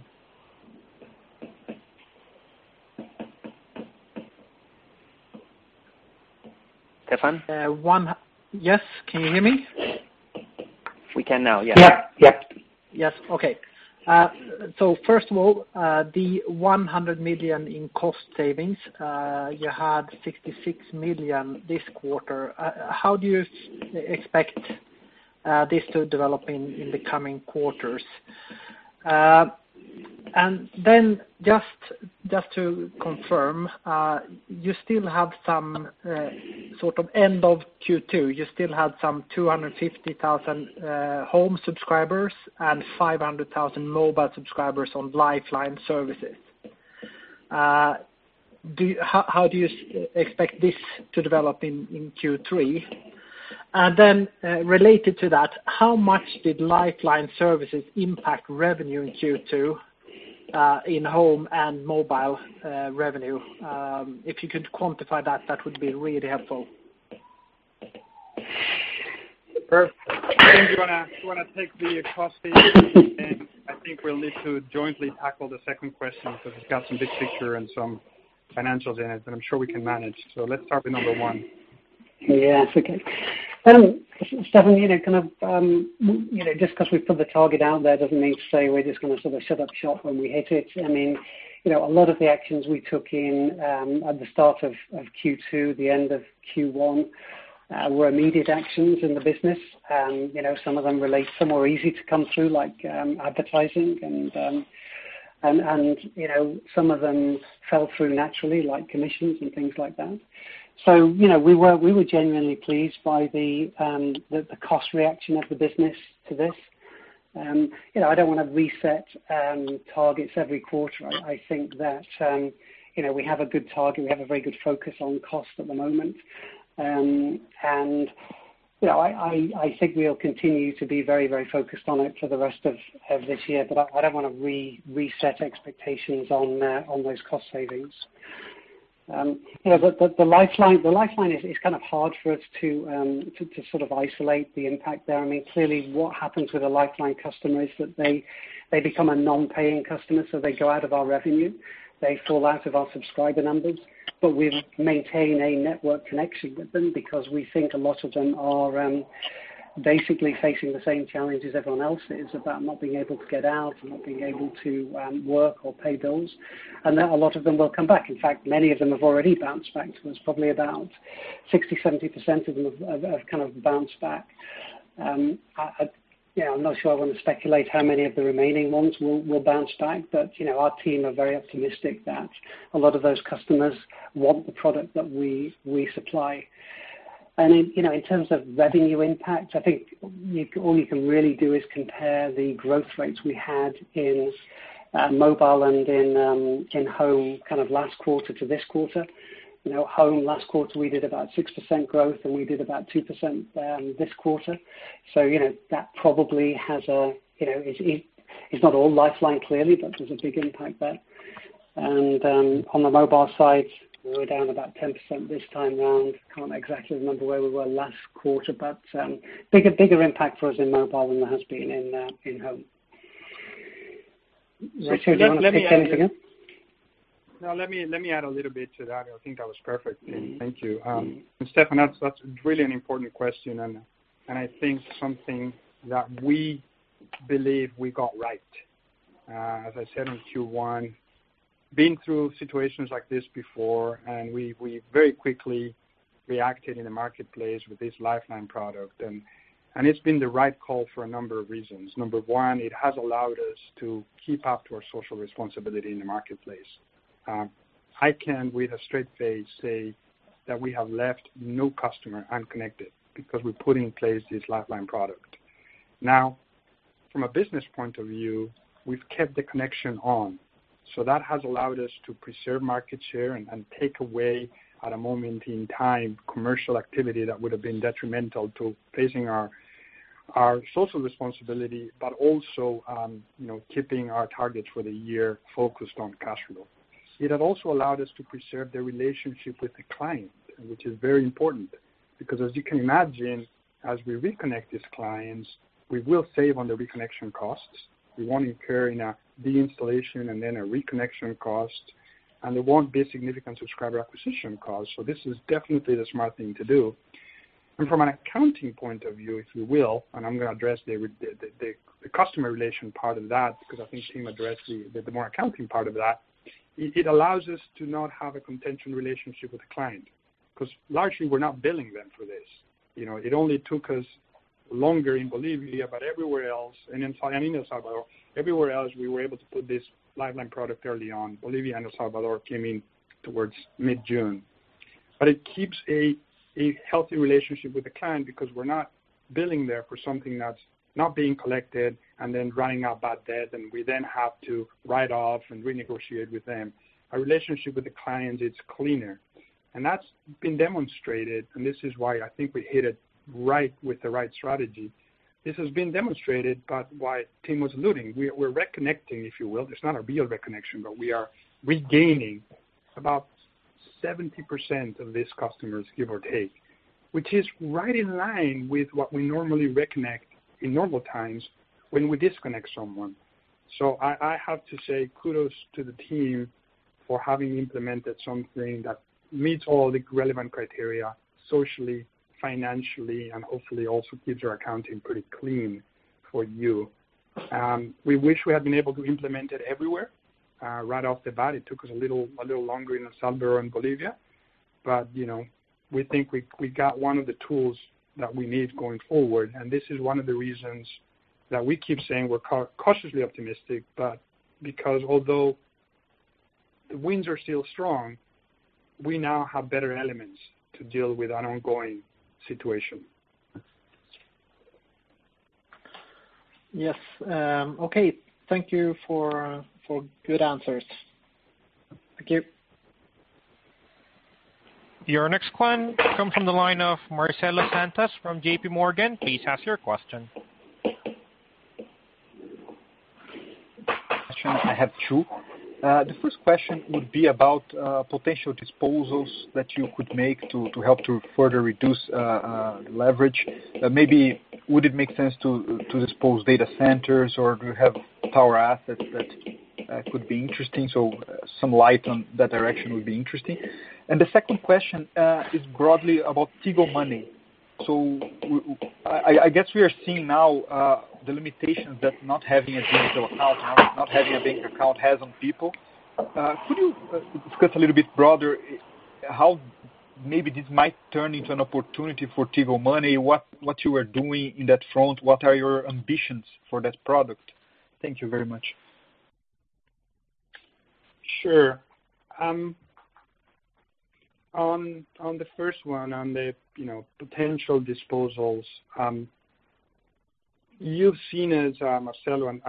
[SPEAKER 1] Stefan?
[SPEAKER 6] Yes, can you hear me?
[SPEAKER 2] We can now, yes. Yep, yep.
[SPEAKER 6] Yes. Okay. First of all, the $100 million in cost savings, you had $66 million this quarter. How do you expect this to develop in the coming quarters? Just to confirm, you still have some sort of end of Q2. You still had some 250,000 home subscribers and 500,000 mobile subscribers on lifeline services. How do you expect this to develop in Q3? Related to that, how much did lifeline services impact revenue in Q2 in home and mobile revenue? If you could quantify that, that would be really helpful.
[SPEAKER 3] Perfect. I think you want to take the cost feedback, and I think we will need to jointly tackle the second question because it has some big picture and some financials in it, and I am sure we can manage. Let us start with number one.
[SPEAKER 4] Yeah, that is okay. Stefan, just because we have put the target out there does not mean to say we are just going to sort of shut up shop when we hit it. I mean, a lot of the actions we took at the start of Q2, the end of Q1, were immediate actions in the business. Some of them were easy to come through, like advertising, and some of them fell through naturally, like commissions and things like that. We were genuinely pleased by the cost reaction of the business to this. I do not want to reset targets every quarter. I think that we have a good target. We have a very good focus on cost at the moment. I think we will continue to be very, very focused on it for the rest of this year, but I do not want to reset expectations on those cost savings. The lifeline is kind of hard for us to sort of isolate the impact there. I mean, clearly, what happens with a lifeline customer is that they become a non-paying customer, so they go out of our revenue. They fall out of our subscriber numbers, but we maintain a network connection with them because we think a lot of them are basically facing the same challenges everyone else is about not being able to get out, not being able to work or pay bills, and that a lot of them will come back. In fact, many of them have already bounced back to us. Probably about 60-70% of them have kind of bounced back. I'm not sure I want to speculate how many of the remaining ones will bounce back, but our team are very optimistic that a lot of those customers want the product that we supply. In terms of revenue impact, I think all you can really do is compare the growth rates we had in mobile and in home kind of last quarter to this quarter. Home, last quarter, we did about 6% growth, and we did about 2% this quarter. That probably has a—it is not all lifeline, clearly, but there is a big impact there. On the mobile side, we were down about 10% this time around. Cannot exactly remember where we were last quarter, but bigger impact for us in mobile than there has been in home. Michel, do you want to speak to anything else?
[SPEAKER 2] No, let me add a little bit to that. I think that was perfect, and thank you. Stefan, that is really an important question, and I think something that we believe we got right. As I said on Q1, being through situations like this before, and we very quickly reacted in the marketplace with this lifeline product, and it has been the right call for a number of reasons. Number one, it has allowed us to keep up to our social responsibility in the marketplace. I can, with a straight face, say that we have left no customer unconnected because we put in place this lifeline product. Now, from a business point of view, we've kept the connection on. That has allowed us to preserve market share and take away, at a moment in time, commercial activity that would have been detrimental to facing our social responsibility, but also keeping our targets for the year focused on cash flow. It had also allowed us to preserve the relationship with the client, which is very important because, as you can imagine, as we reconnect these clients, we will save on the reconnection costs. We won't incur in a de-installation and then a reconnection cost, and there won't be a significant subscriber acquisition cost. This is definitely the smart thing to do. From an accounting point of view, if you will, and I'm going to address the customer relation part of that because I think Tim addressed the more accounting part of that, it allows us to not have a contentious relationship with the client because largely, we're not billing them for this. It only took us longer in Bolivia, but everywhere else, and in El Salvador, everywhere else, we were able to put this lifeline product early on. Bolivia and El Salvador came in towards mid-June. It keeps a healthy relationship with the client because we're not billing them for something that's not being collected and then running out bad debt, and we then have to write off and renegotiate with them. Our relationship with the client, it's cleaner. That has been demonstrated, and this is why I think we hit it right with the right strategy. This has been demonstrated, but why Tim was alluding, we are reconnecting, if you will. It is not a real reconnection, but we are regaining about 70% of these customers, give or take, which is right in line with what we normally reconnect in normal times when we disconnect someone. I have to say kudos to the team for having implemented something that meets all the relevant criteria socially, financially, and hopefully also keeps our accounting pretty clean for you. We wish we had been able to implement it everywhere. Right off the bat, it took us a little longer in El Salvador and Bolivia, but we think we got one of the tools that we need going forward. This is one of the reasons that we keep saying we're cautiously optimistic, because although the winds are still strong, we now have better elements to deal with an ongoing situation.
[SPEAKER 6] Yes. Okay. Thank you for good answers.
[SPEAKER 1] Thank you. Your next question comes from the line of Marcelo Santos from JP Morgan. Please ask your question. Questions,
[SPEAKER 7] I have two. The first question would be about potential disposals that you could make to help to further reduce leverage. Maybe would it make sense to dispose data centers or do you have power assets that could be interesting? Some light on that direction would be interesting. The second question is broadly about Tigo Money. I guess we are seeing now the limitations that not having a digital account, not having a bank account has on people. Could you discuss a little bit broader how maybe this might turn into an opportunity for Tigo Money, what you are doing in that front, what are your ambitions for that product? Thank you very much.
[SPEAKER 3] Sure. On the first one, on the potential disposals, you've seen as Marcelo, and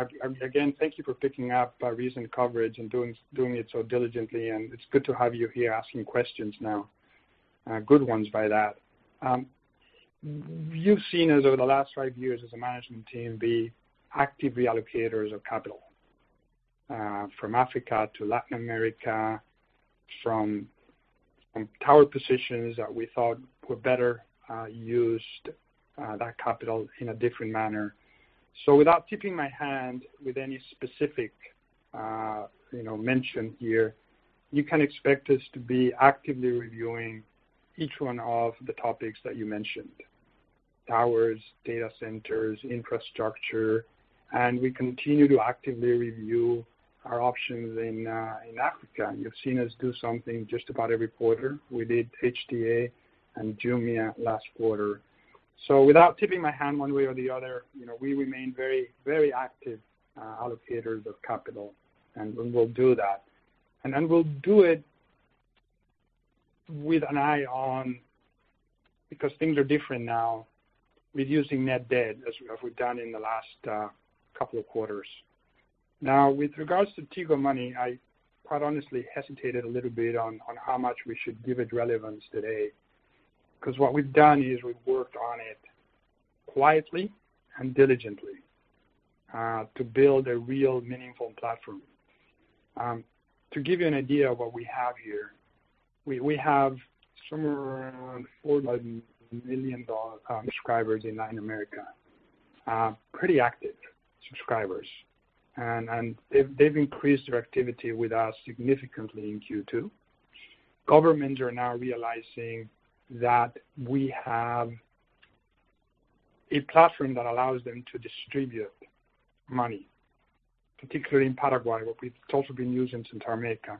[SPEAKER 3] again, thank you for picking up our recent coverage and doing it so diligently, and it's good to have you here asking questions now. Good ones by that. You've seen us over the last five years as a management team be active reallocators of capital from Africa to Latin America, from power positions that we thought were better used, that capital in a different manner. Without tipping my hand with any specific mention here, you can expect us to be actively reviewing each one of the topics that you mentioned: towers, data centers, infrastructure. We continue to actively review our options in Africa. You've seen us do something just about every quarter. We did Helios Towers and Jumia last quarter. Without tipping my hand one way or the other, we remain very, very active allocators of capital, and we'll do that. We'll do it with an eye on, because things are different now, reducing net debt as we've done in the last couple of quarters. Now, with regards to Tigo Money, I quite honestly hesitated a little bit on how much we should give it relevance today because what we've done is we've worked on it quietly and diligently to build a real meaningful platform. To give you an idea of what we have here, we have somewhere around 400 million subscribers in Latin America, pretty active subscribers, and they've increased their activity with us significantly in Q2. Governments are now realizing that we have a platform that allows them to distribute money, particularly in Paraguay, which we've also been using since our America.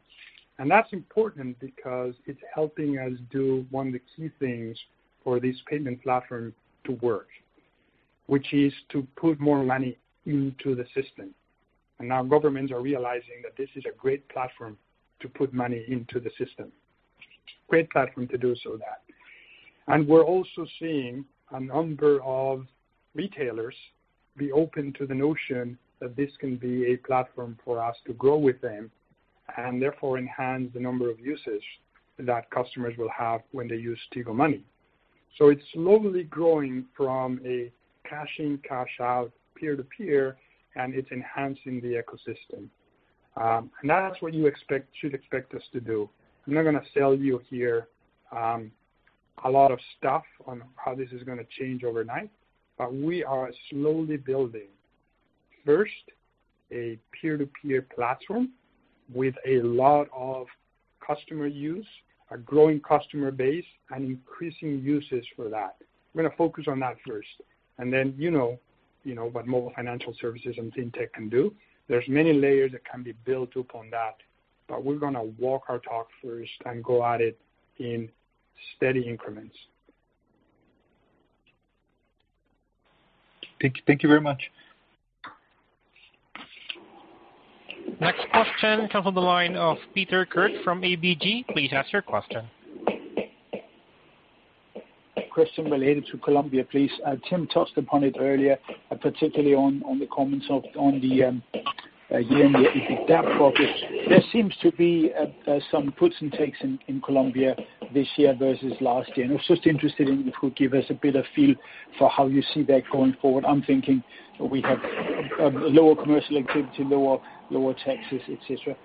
[SPEAKER 3] That's important because it's helping us do one of the key things for this payment platform to work, which is to put more money into the system. Now governments are realizing that this is a great platform to put money into the system. Great platform to do that. We're also seeing a number of retailers be open to the notion that this can be a platform for us to grow with them and therefore enhance the number of users that customers will have when they use Tigo Money. It's slowly growing from a cash-in, cash-out, peer-to-peer, and it's enhancing the ecosystem. That's what you should expect us to do. I'm not going to sell you here a lot of stuff on how this is going to change overnight, but we are slowly building first a peer-to-peer platform with a lot of customer use, a growing customer base, and increasing uses for that. We're going to focus on that first. And you know what mobile financial services and FinTech can do. There's many layers that can be built upon that, but we're going to walk our talk first and go at it in steady increments.
[SPEAKER 7] Thank you very much.
[SPEAKER 1] Next question comes from the line of Peter Kurt from ABG. Please ask your question.
[SPEAKER 8] Question related to Colombia, please. Tim touched upon it earlier, particularly on the comments on the data focus. There seems to be some puts and takes in Colombia this year versus last year. I was just interested in if you could give us a bit of feel for how you see that going forward. I'm thinking we have lower commercial activity, lower taxes, etc.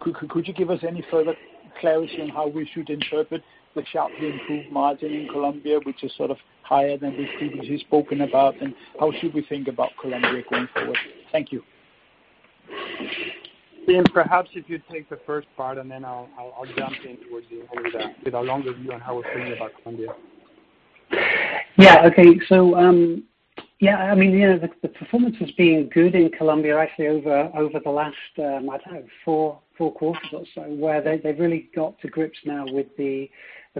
[SPEAKER 8] Could you give us any further clarity on how we should interpret the sharply improved margin in Colombia, which is sort of higher than we've previously spoken about, and how should we think about Colombia going forward?
[SPEAKER 3] Thank you. Tim, perhaps if you take the first part, and then I'll jump in towards the end with a longer view on how we're feeling about Colombia.
[SPEAKER 4] Yeah. Okay. Yeah, I mean, the performance has been good in Colombia actually over the last, I'd say, four quarters or so where they've really got to grips now with the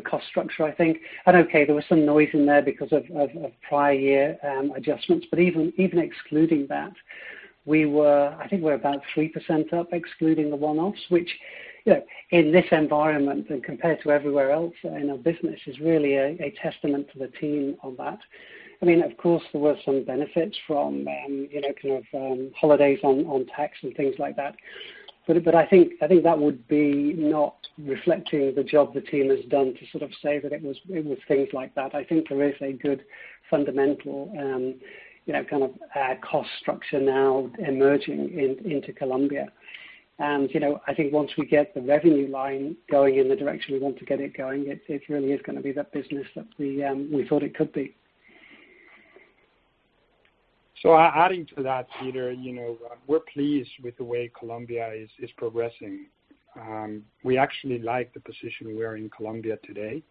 [SPEAKER 4] cost structure, I think. There was some noise in there because of prior year adjustments, but even excluding that, I think we're about 3% up excluding the one-offs, which in this environment and compared to everywhere else in our business is really a testament to the team on that. I mean, of course, there were some benefits from kind of holidays on tax and things like that, but I think that would be not reflecting the job the team has done to sort of say that it was things like that. I think there is a good fundamental kind of cost structure now emerging into Colombia. I think once we get the revenue line going in the direction we want to get it going, it really is going to be that business that we thought it could be.
[SPEAKER 3] Adding to that, Peter, we're pleased with the way Colombia is progressing. We actually like the position we are in Colombia today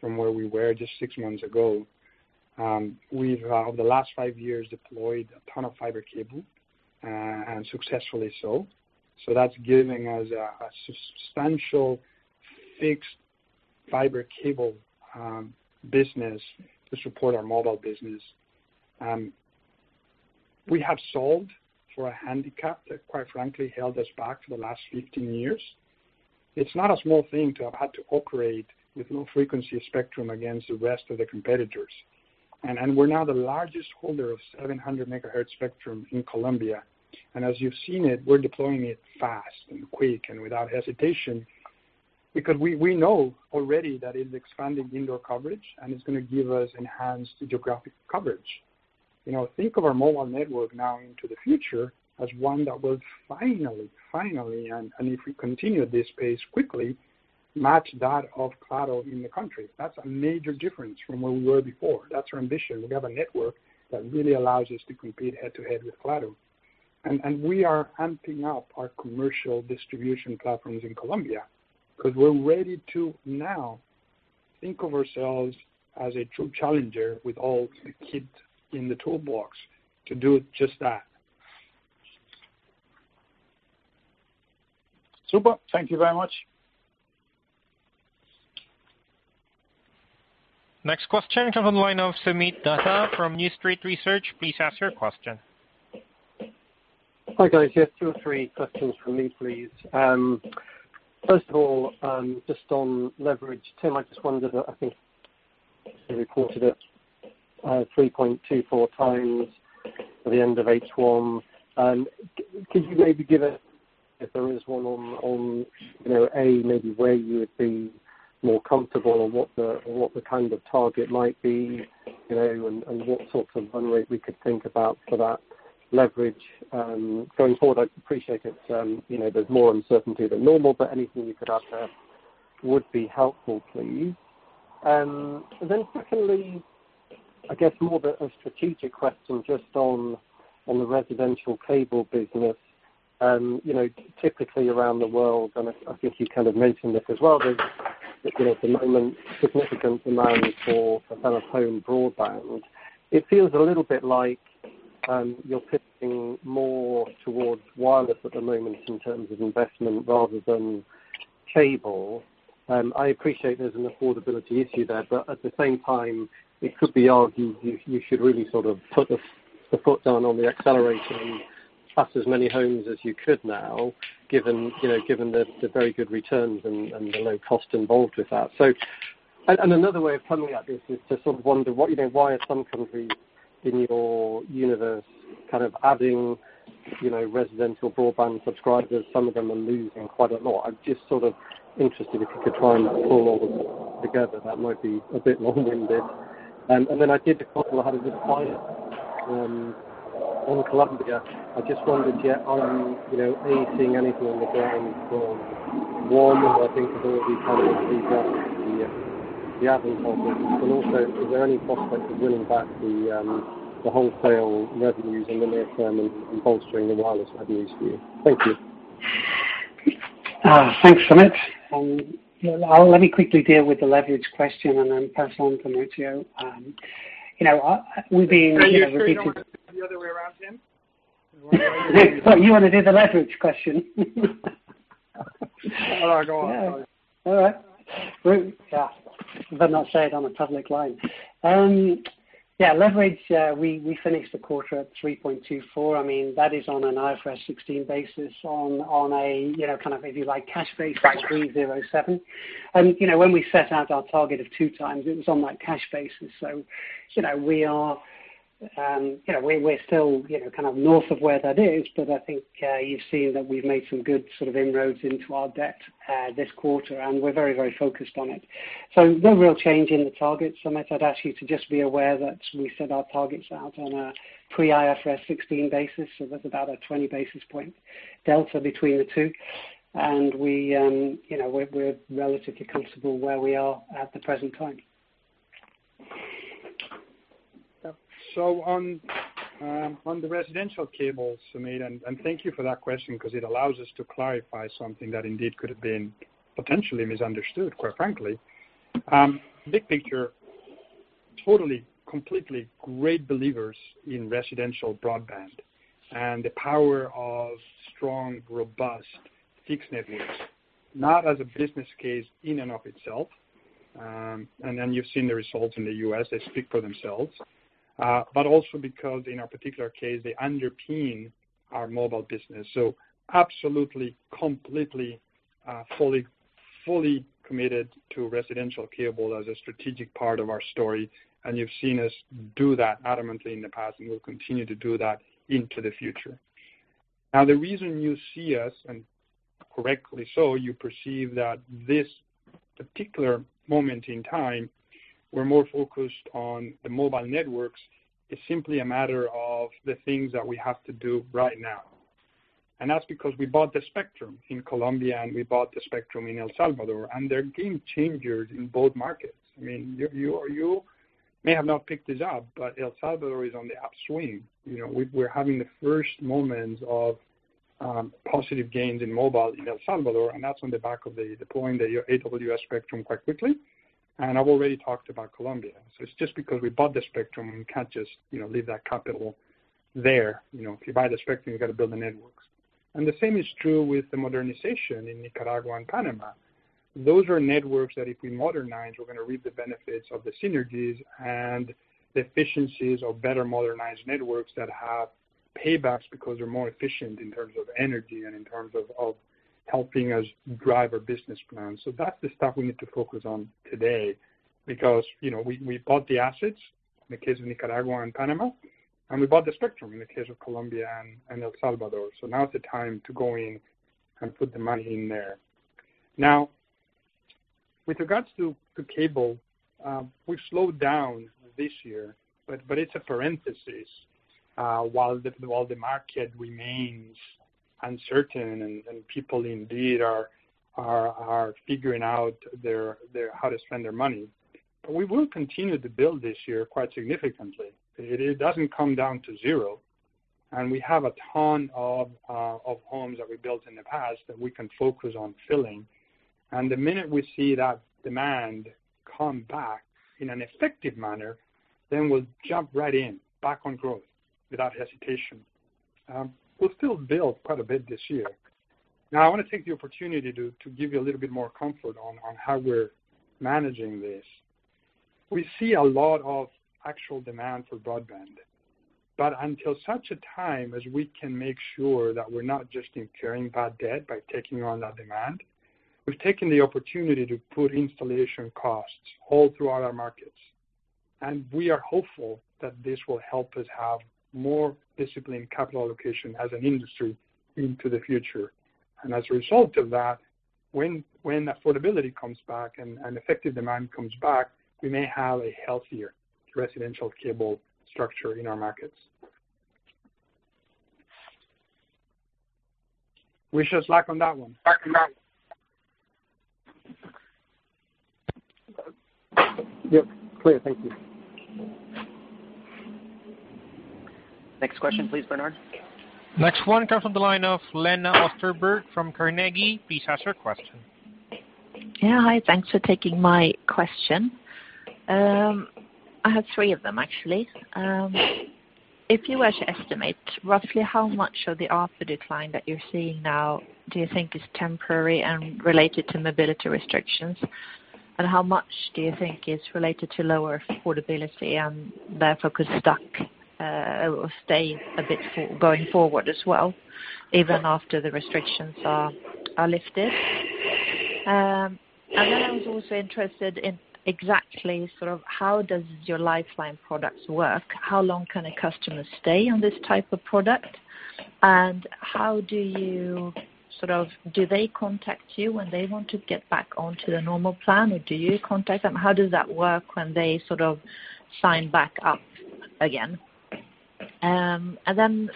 [SPEAKER 3] from where we were just six months ago. We've, over the last five years, deployed a ton of fiber cable, and successfully so. That is giving us a substantial fixed fiber cable business to support our mobile business. We have solved for a handicap that, quite frankly, held us back for the last 15 years. It's not a small thing to have had to operate with low frequency spectrum against the rest of the competitors. We are now the largest holder of 700 megahertz spectrum in Colombia. As you've seen, we are deploying it fast and quick and without hesitation because we know already that it is expanding indoor coverage, and it is going to give us enhanced geographic coverage. Think of our mobile network now into the future as one that will finally, finally, and if we continue at this pace quickly, match that of Claro in the country. That's a major difference from where we were before. That's our ambition. We have a network that really allows us to compete head-to-head with Claro. We are amping up our commercial distribution platforms in Colombia because we're ready to now think of ourselves as a true challenger with all the kids in the toolbox to do just that.
[SPEAKER 8] Super. Thank you very much.
[SPEAKER 1] Next question comes from the line of Soomit Datta from New Street Research. Please ask your question.
[SPEAKER 9] Hi, guys. Yes, two or three questions for me, please. First of all, just on leverage, Tim, I just wondered that I think you reported it 3.24 times at the end of H1. Could you maybe give us, if there is one on A, maybe where you would be more comfortable or what the kind of target might be and what sorts of run rate we could think about for that leverage going forward? I appreciate it. There is more uncertainty than normal, but anything you could add there would be helpful, please. Secondly, I guess more of a strategic question just on the residential cable business. Typically around the world, and I think you kind of mentioned this as well, there is at the moment significant demand for kind of home broadband. It feels a little bit like you are pivoting more towards wireless at the moment in terms of investment rather than cable. I appreciate there's an affordability issue there, but at the same time, it could be argued you should really sort of put the foot down on the accelerator and purchase as many homes as you could now, given the very good returns and the low cost involved with that. Another way of coming at this is to sort of wonder why are some countries in your universe kind of adding residential broadband subscribers? Some of them are losing quite a lot. I'm just sort of interested if you could try and pull all of them together. That might be a bit long-winded. I did a couple of hundred clients in Colombia. I just wondered, yeah, are you seeing anything on the ground from one? I think there's already kind of a reverse to the advent of it. Is there any prospect of winning back the wholesale revenues in the near term and bolstering the wireless revenues for you? Thank you.
[SPEAKER 4] Thanks, Soomit. Let me quickly deal with the leverage question and then pass on to Marcio. We've been repeated.
[SPEAKER 3] Are you going to do the other way around, Tim?
[SPEAKER 4] You want to do the leverage question?
[SPEAKER 3] Oh, no. Go on. Sorry.
[SPEAKER 4] All right. Yeah. I've done that side on a public line. Yeah. Leverage, we finished the quarter at 3.24. I mean, that is on an IFRS 16 basis on a kind of, if you like, cash-based 3.07. And when we set out our target of two times, it was on that cash basis. We are still kind of north of where that is, but I think you've seen that we've made some good sort of inroads into our debt this quarter, and we're very, very focused on it. No real change in the target. Something I'd ask you to just be aware that we set our targets out on a pre-IFRS 16 basis. There's about a 20 basis point delta between the two. We're relatively comfortable where we are at the present time.
[SPEAKER 3] On the residential cables, Samit, and thank you for that question because it allows us to clarify something that indeed could have been potentially misunderstood, quite frankly. Big picture, totally, completely great believers in residential broadband and the power of strong, robust fixed networks, not as a business case in and of itself. Then you've seen the results in the US. They speak for themselves. Also, in our particular case, they underpin our mobile business. Absolutely, completely, fully committed to residential cable as a strategic part of our story. You have seen us do that adamantly in the past and will continue to do that into the future. The reason you see us, and correctly so, you perceive that at this particular moment in time, we are more focused on the mobile networks, is simply a matter of the things that we have to do right now. That is because we bought the spectrum in Colombia, and we bought the spectrum in El Salvador, and they are game changers in both markets. I mean, you may have not picked this up, but El Salvador is on the upswing. We're having the first moments of positive gains in mobile in El Salvador, and that's on the back of deploying the AWS spectrum quite quickly. I've already talked about Colombia. It's just because we bought the spectrum, we can't just leave that capital there. If you buy the spectrum, you've got to build the networks. The same is true with the modernization in Nicaragua and Panama. Those are networks that if we modernize, we're going to reap the benefits of the synergies and the efficiencies of better modernized networks that have paybacks because they're more efficient in terms of energy and in terms of helping us drive our business plans. That's the stuff we need to focus on today because we bought the assets in the case of Nicaragua and Panama, and we bought the spectrum in the case of Colombia and El Salvador. Now it's the time to go in and put the money in there. With regards to cable, we've slowed down this year, but it's a parenthesis while the market remains uncertain and people indeed are figuring out how to spend their money. We will continue to build this year quite significantly. It doesn't come down to zero. We have a ton of homes that we built in the past that we can focus on filling. The minute we see that demand come back in an effective manner, we'll jump right in, back on growth without hesitation. We'll still build quite a bit this year. I want to take the opportunity to give you a little bit more comfort on how we're managing this. We see a lot of actual demand for broadband, but until such a time as we can make sure that we're not just incurring bad debt by taking on that demand, we've taken the opportunity to put installation costs all throughout our markets. We are hopeful that this will help us have more disciplined capital allocation as an industry into the future. As a result of that, when affordability comes back and effective demand comes back, we may have a healthier residential cable structure in our markets. Wish us luck on that one. Back on that one.
[SPEAKER 9] Yep. Clear. Thank you.
[SPEAKER 1] Next question, please, Bernard. Next one comes from the line of Lena Osterberg from Carnegie. Please ask your question.
[SPEAKER 10] Yeah. Hi. Thanks for taking my question. I have three of them, actually. If you were to estimate roughly how much of the offer decline that you're seeing now, do you think is temporary and related to mobility restrictions? How much do you think is related to lower affordability and therefore could stay a bit going forward as well, even after the restrictions are lifted? I was also interested in exactly sort of how does your lifeline products work? How long can a customer stay on this type of product? How do you sort of do they contact you when they want to get back onto the normal plan, or do you contact them? How does that work when they sort of sign back up again?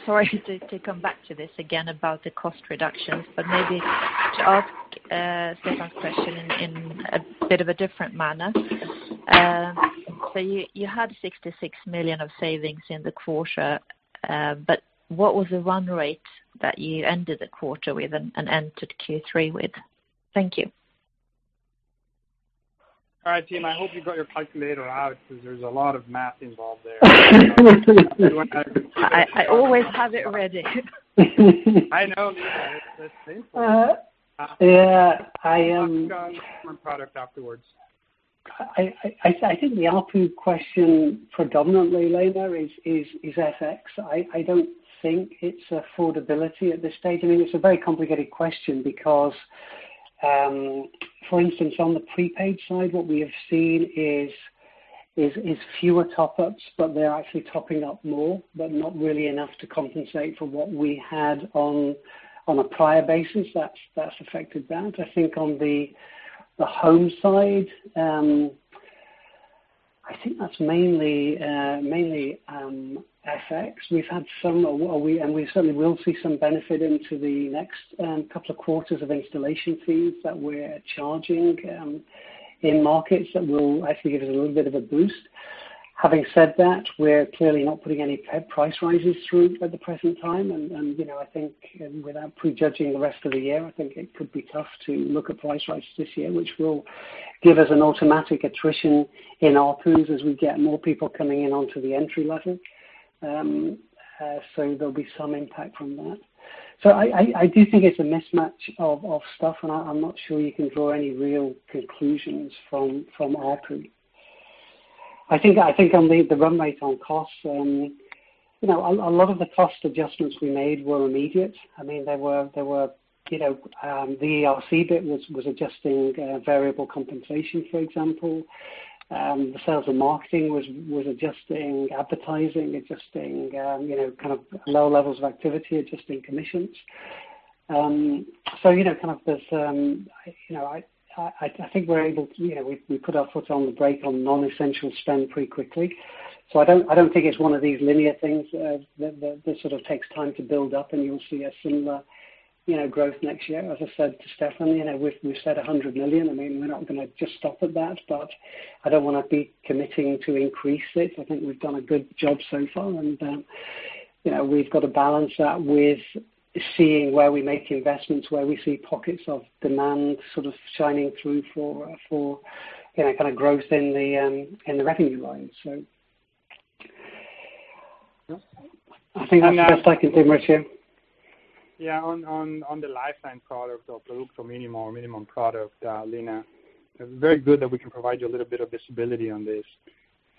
[SPEAKER 10] Sorry, to come back to this again about the cost reductions, maybe to ask Stefan's question in a bit of a different manner. You had $66 million of savings in the quarter, but what was the run rate that you ended the quarter with and entered Q3 with? Thank you.
[SPEAKER 3] All right, Tim. I hope you got your calculator out because there's a lot of math involved there.
[SPEAKER 10] I always have it ready.
[SPEAKER 3] I know, Lena. It's simple.
[SPEAKER 4] Yeah. I am.
[SPEAKER 3] I'll have you on the product afterwards.
[SPEAKER 4] I think the output question predominantly, Lena, is FX. I do not think it's affordability at this stage. I mean, it's a very complicated question because, for instance, on the prepaid side, what we have seen is fewer top-ups, but they're actually topping up more, but not really enough to compensate for what we had on a prior basis. That's affected that. I think on the home side, I think that's mainly FX. We've had some, and we certainly will see some benefit into the next couple of quarters of installation fees that we're charging in markets that will actually give us a little bit of a boost. Having said that, we're clearly not putting any price rises through at the present time. I think without prejudging the rest of the year, I think it could be tough to look at price rises this year, which will give us an automatic attrition in our pools as we get more people coming in onto the entry level. There will be some impact from that. I do think it's a mismatch of stuff, and I'm not sure you can draw any real conclusions from our pool. I think on the run rate on costs, a lot of the cost adjustments we made were immediate. I mean, there were the ERC bit was adjusting variable compensation, for example. The sales and marketing was adjusting advertising, adjusting kind of low levels of activity, adjusting commissions. I think we're able to we put our foot on the brake on non-essential spend pretty quickly. I don't think it's one of these linear things that sort of takes time to build up, and you'll see a similar growth next year. As I said to Stefan, we've said $100 million. I mean, we're not going to just stop at that, but I don't want to be committing to increase it. I think we've done a good job so far, and we've got to balance that with seeing where we make investments, where we see pockets of demand sort of shining through for kind of growth in the revenue line. I think that's just I can think, Marcio.
[SPEAKER 3] Yeah. On the lifeline product or product or minimum product, Lena, very good that we can provide you a little bit of visibility on this.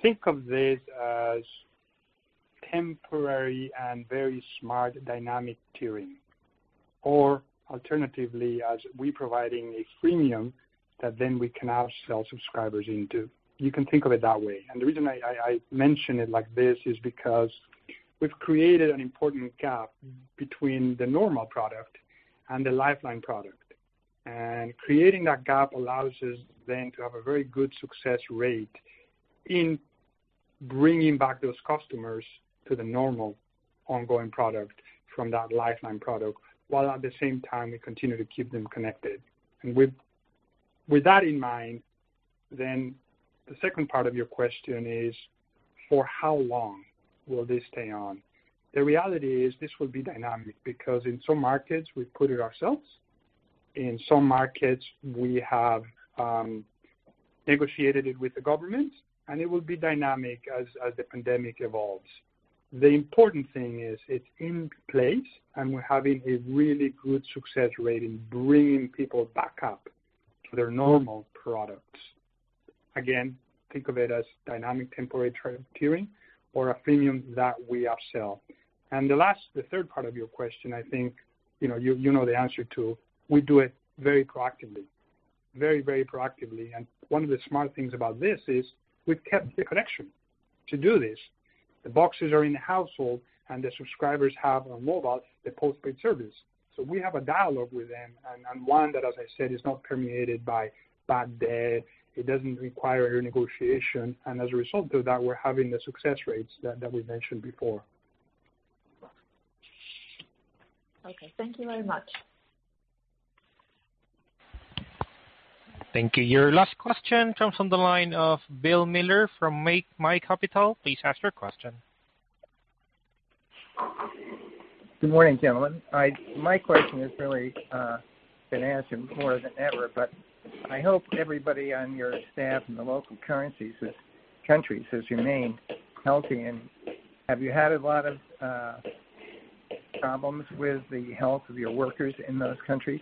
[SPEAKER 3] Think of this as temporary and very smart dynamic tiering, or alternatively as we providing a freemium that then we can now sell subscribers into. You can think of it that way. The reason I mention it like this is because we've created an important gap between the normal product and the lifeline product. Creating that gap allows us then to have a very good success rate in bringing back those customers to the normal ongoing product from that lifeline product while at the same time we continue to keep them connected. With that in mind, the second part of your question is, for how long will this stay on? The reality is this will be dynamic because in some markets we've put it ourselves. In some markets, we have negotiated it with the government, and it will be dynamic as the pandemic evolves. The important thing is it's in place, and we're having a really good success rate in bringing people back up to their normal products. Again, think of it as dynamic temporary tiering or a freemium that we upsell. The third part of your question, I think you know the answer to, we do it very proactively. Very, very proactively. One of the smart things about this is we've kept the connection to do this. The boxes are in the household, and the subscribers have on mobile the postpaid service. We have a dialogue with them and one that, as I said, is not permeated by bad debt. It doesn't require a renegotiation. As a result of that, we're having the success rates that we mentioned before.
[SPEAKER 10] Thank you very much.
[SPEAKER 1] Thank you. Your last question comes from the line of Bill Miller from MyCapital. Please ask your question.
[SPEAKER 11] Good morning, gentlemen. My question has really been asked more than ever, but I hope everybody on your staff in the local countries has remained healthy. Have you had a lot of problems with the health of your workers in those countries?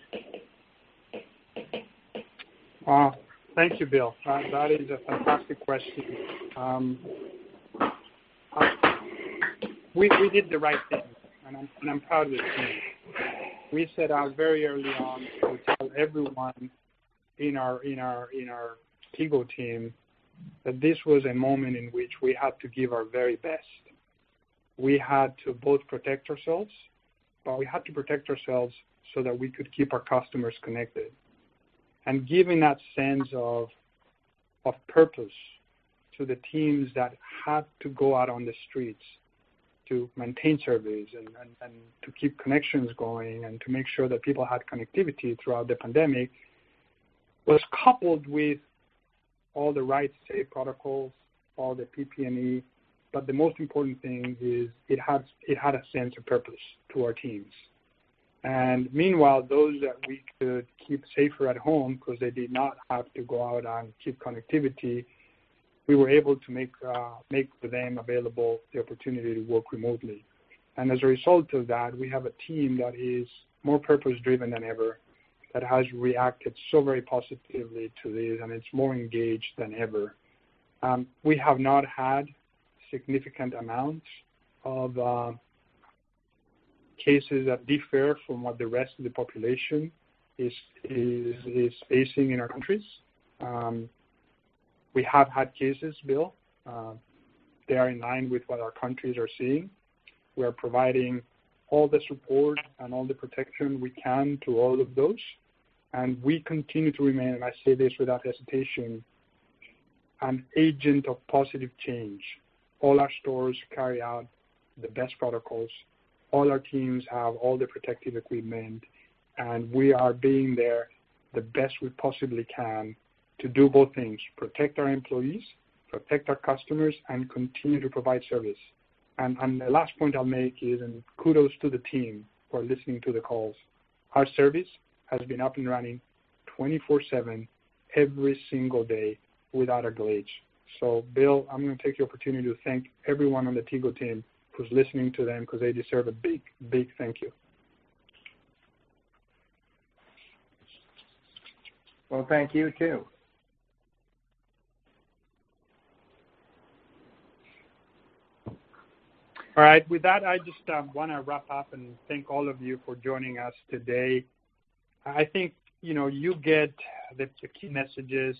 [SPEAKER 3] Thank you, Bill. That is a fantastic question. We did the right thing, and I'm proud of the team. We set out very early on to tell everyone in our people team that this was a moment in which we had to give our very best. We had to both protect ourselves, but we had to protect ourselves so that we could keep our customers connected. Giving that sense of purpose to the teams that had to go out on the streets to maintain service and to keep connections going and to make sure that people had connectivity throughout the pandemic was coupled with all the right safe protocols, all the PPE. The most important thing is it had a sense of purpose to our teams. Meanwhile, those that we could keep safer at home because they did not have to go out and keep connectivity, we were able to make for them available the opportunity to work remotely. As a result of that, we have a team that is more purpose-driven than ever that has reacted so very positively to this, and it's more engaged than ever. We have not had significant amounts of cases that differ from what the rest of the population is facing in our countries. We have had cases, Bill. They are in line with what our countries are seeing. We are providing all the support and all the protection we can to all of those. We continue to remain, and I say this without hesitation, an agent of positive change. All our stores carry out the best protocols. All our teams have all the protective equipment, and we are being there the best we possibly can to do both things: protect our employees, protect our customers, and continue to provide service. The last point I will make is kudos to the team for listening to the calls. Our service has been up and running 24/7, every single day without a glitch. Bill, I am going to take the opportunity to thank everyone on the Tigo team who is listening to them because they deserve a big, big thank you.
[SPEAKER 11] Thank you too.
[SPEAKER 3] All right. With that, I just want to wrap up and thank all of you for joining us today. I think you get the key messages.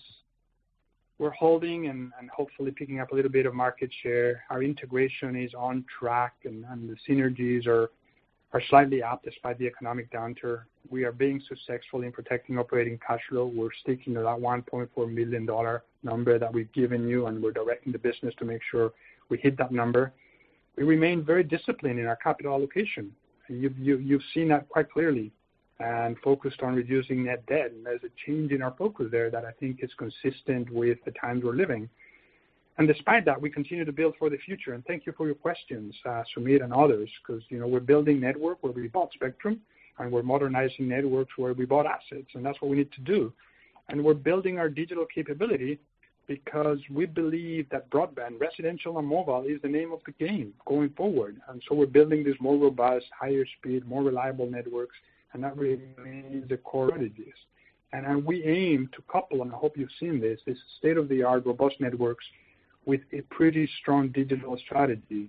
[SPEAKER 3] We're holding and hopefully picking up a little bit of market share. Our integration is on track, and the synergies are slightly apt despite the economic downturn. We are being successful in protecting operating cash flow. We're sticking to that $1.4 million number that we've given you, and we're directing the business to make sure we hit that number. We remain very disciplined in our capital allocation. You've seen that quite clearly and focused on reducing net debt. There is a change in our focus there that I think is consistent with the times we're living. Despite that, we continue to build for the future. Thank you for your questions, Sumit and others, because we're building network where we bought spectrum, and we're modernizing networks where we bought assets. That's what we need to do. We're building our digital capability because we believe that broadband, residential and mobile, is the name of the game going forward. We're building these more robust, higher-speed, more reliable networks, and that remains the core strategies. We aim to couple, and I hope you've seen this, this state-of-the-art robust networks with a pretty strong digital strategy.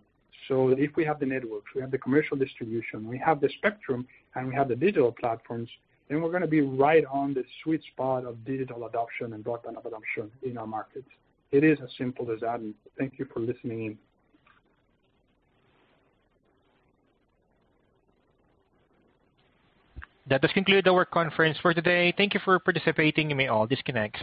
[SPEAKER 3] If we have the networks, we have the commercial distribution, we have the spectrum, and we have the digital platforms, then we're going to be right on the sweet spot of digital adoption and broadband adoption in our markets. It is as simple as that. Thank you for listening in.
[SPEAKER 1] That does conclude our conference for today. Thank you for participating. You may all disconnect.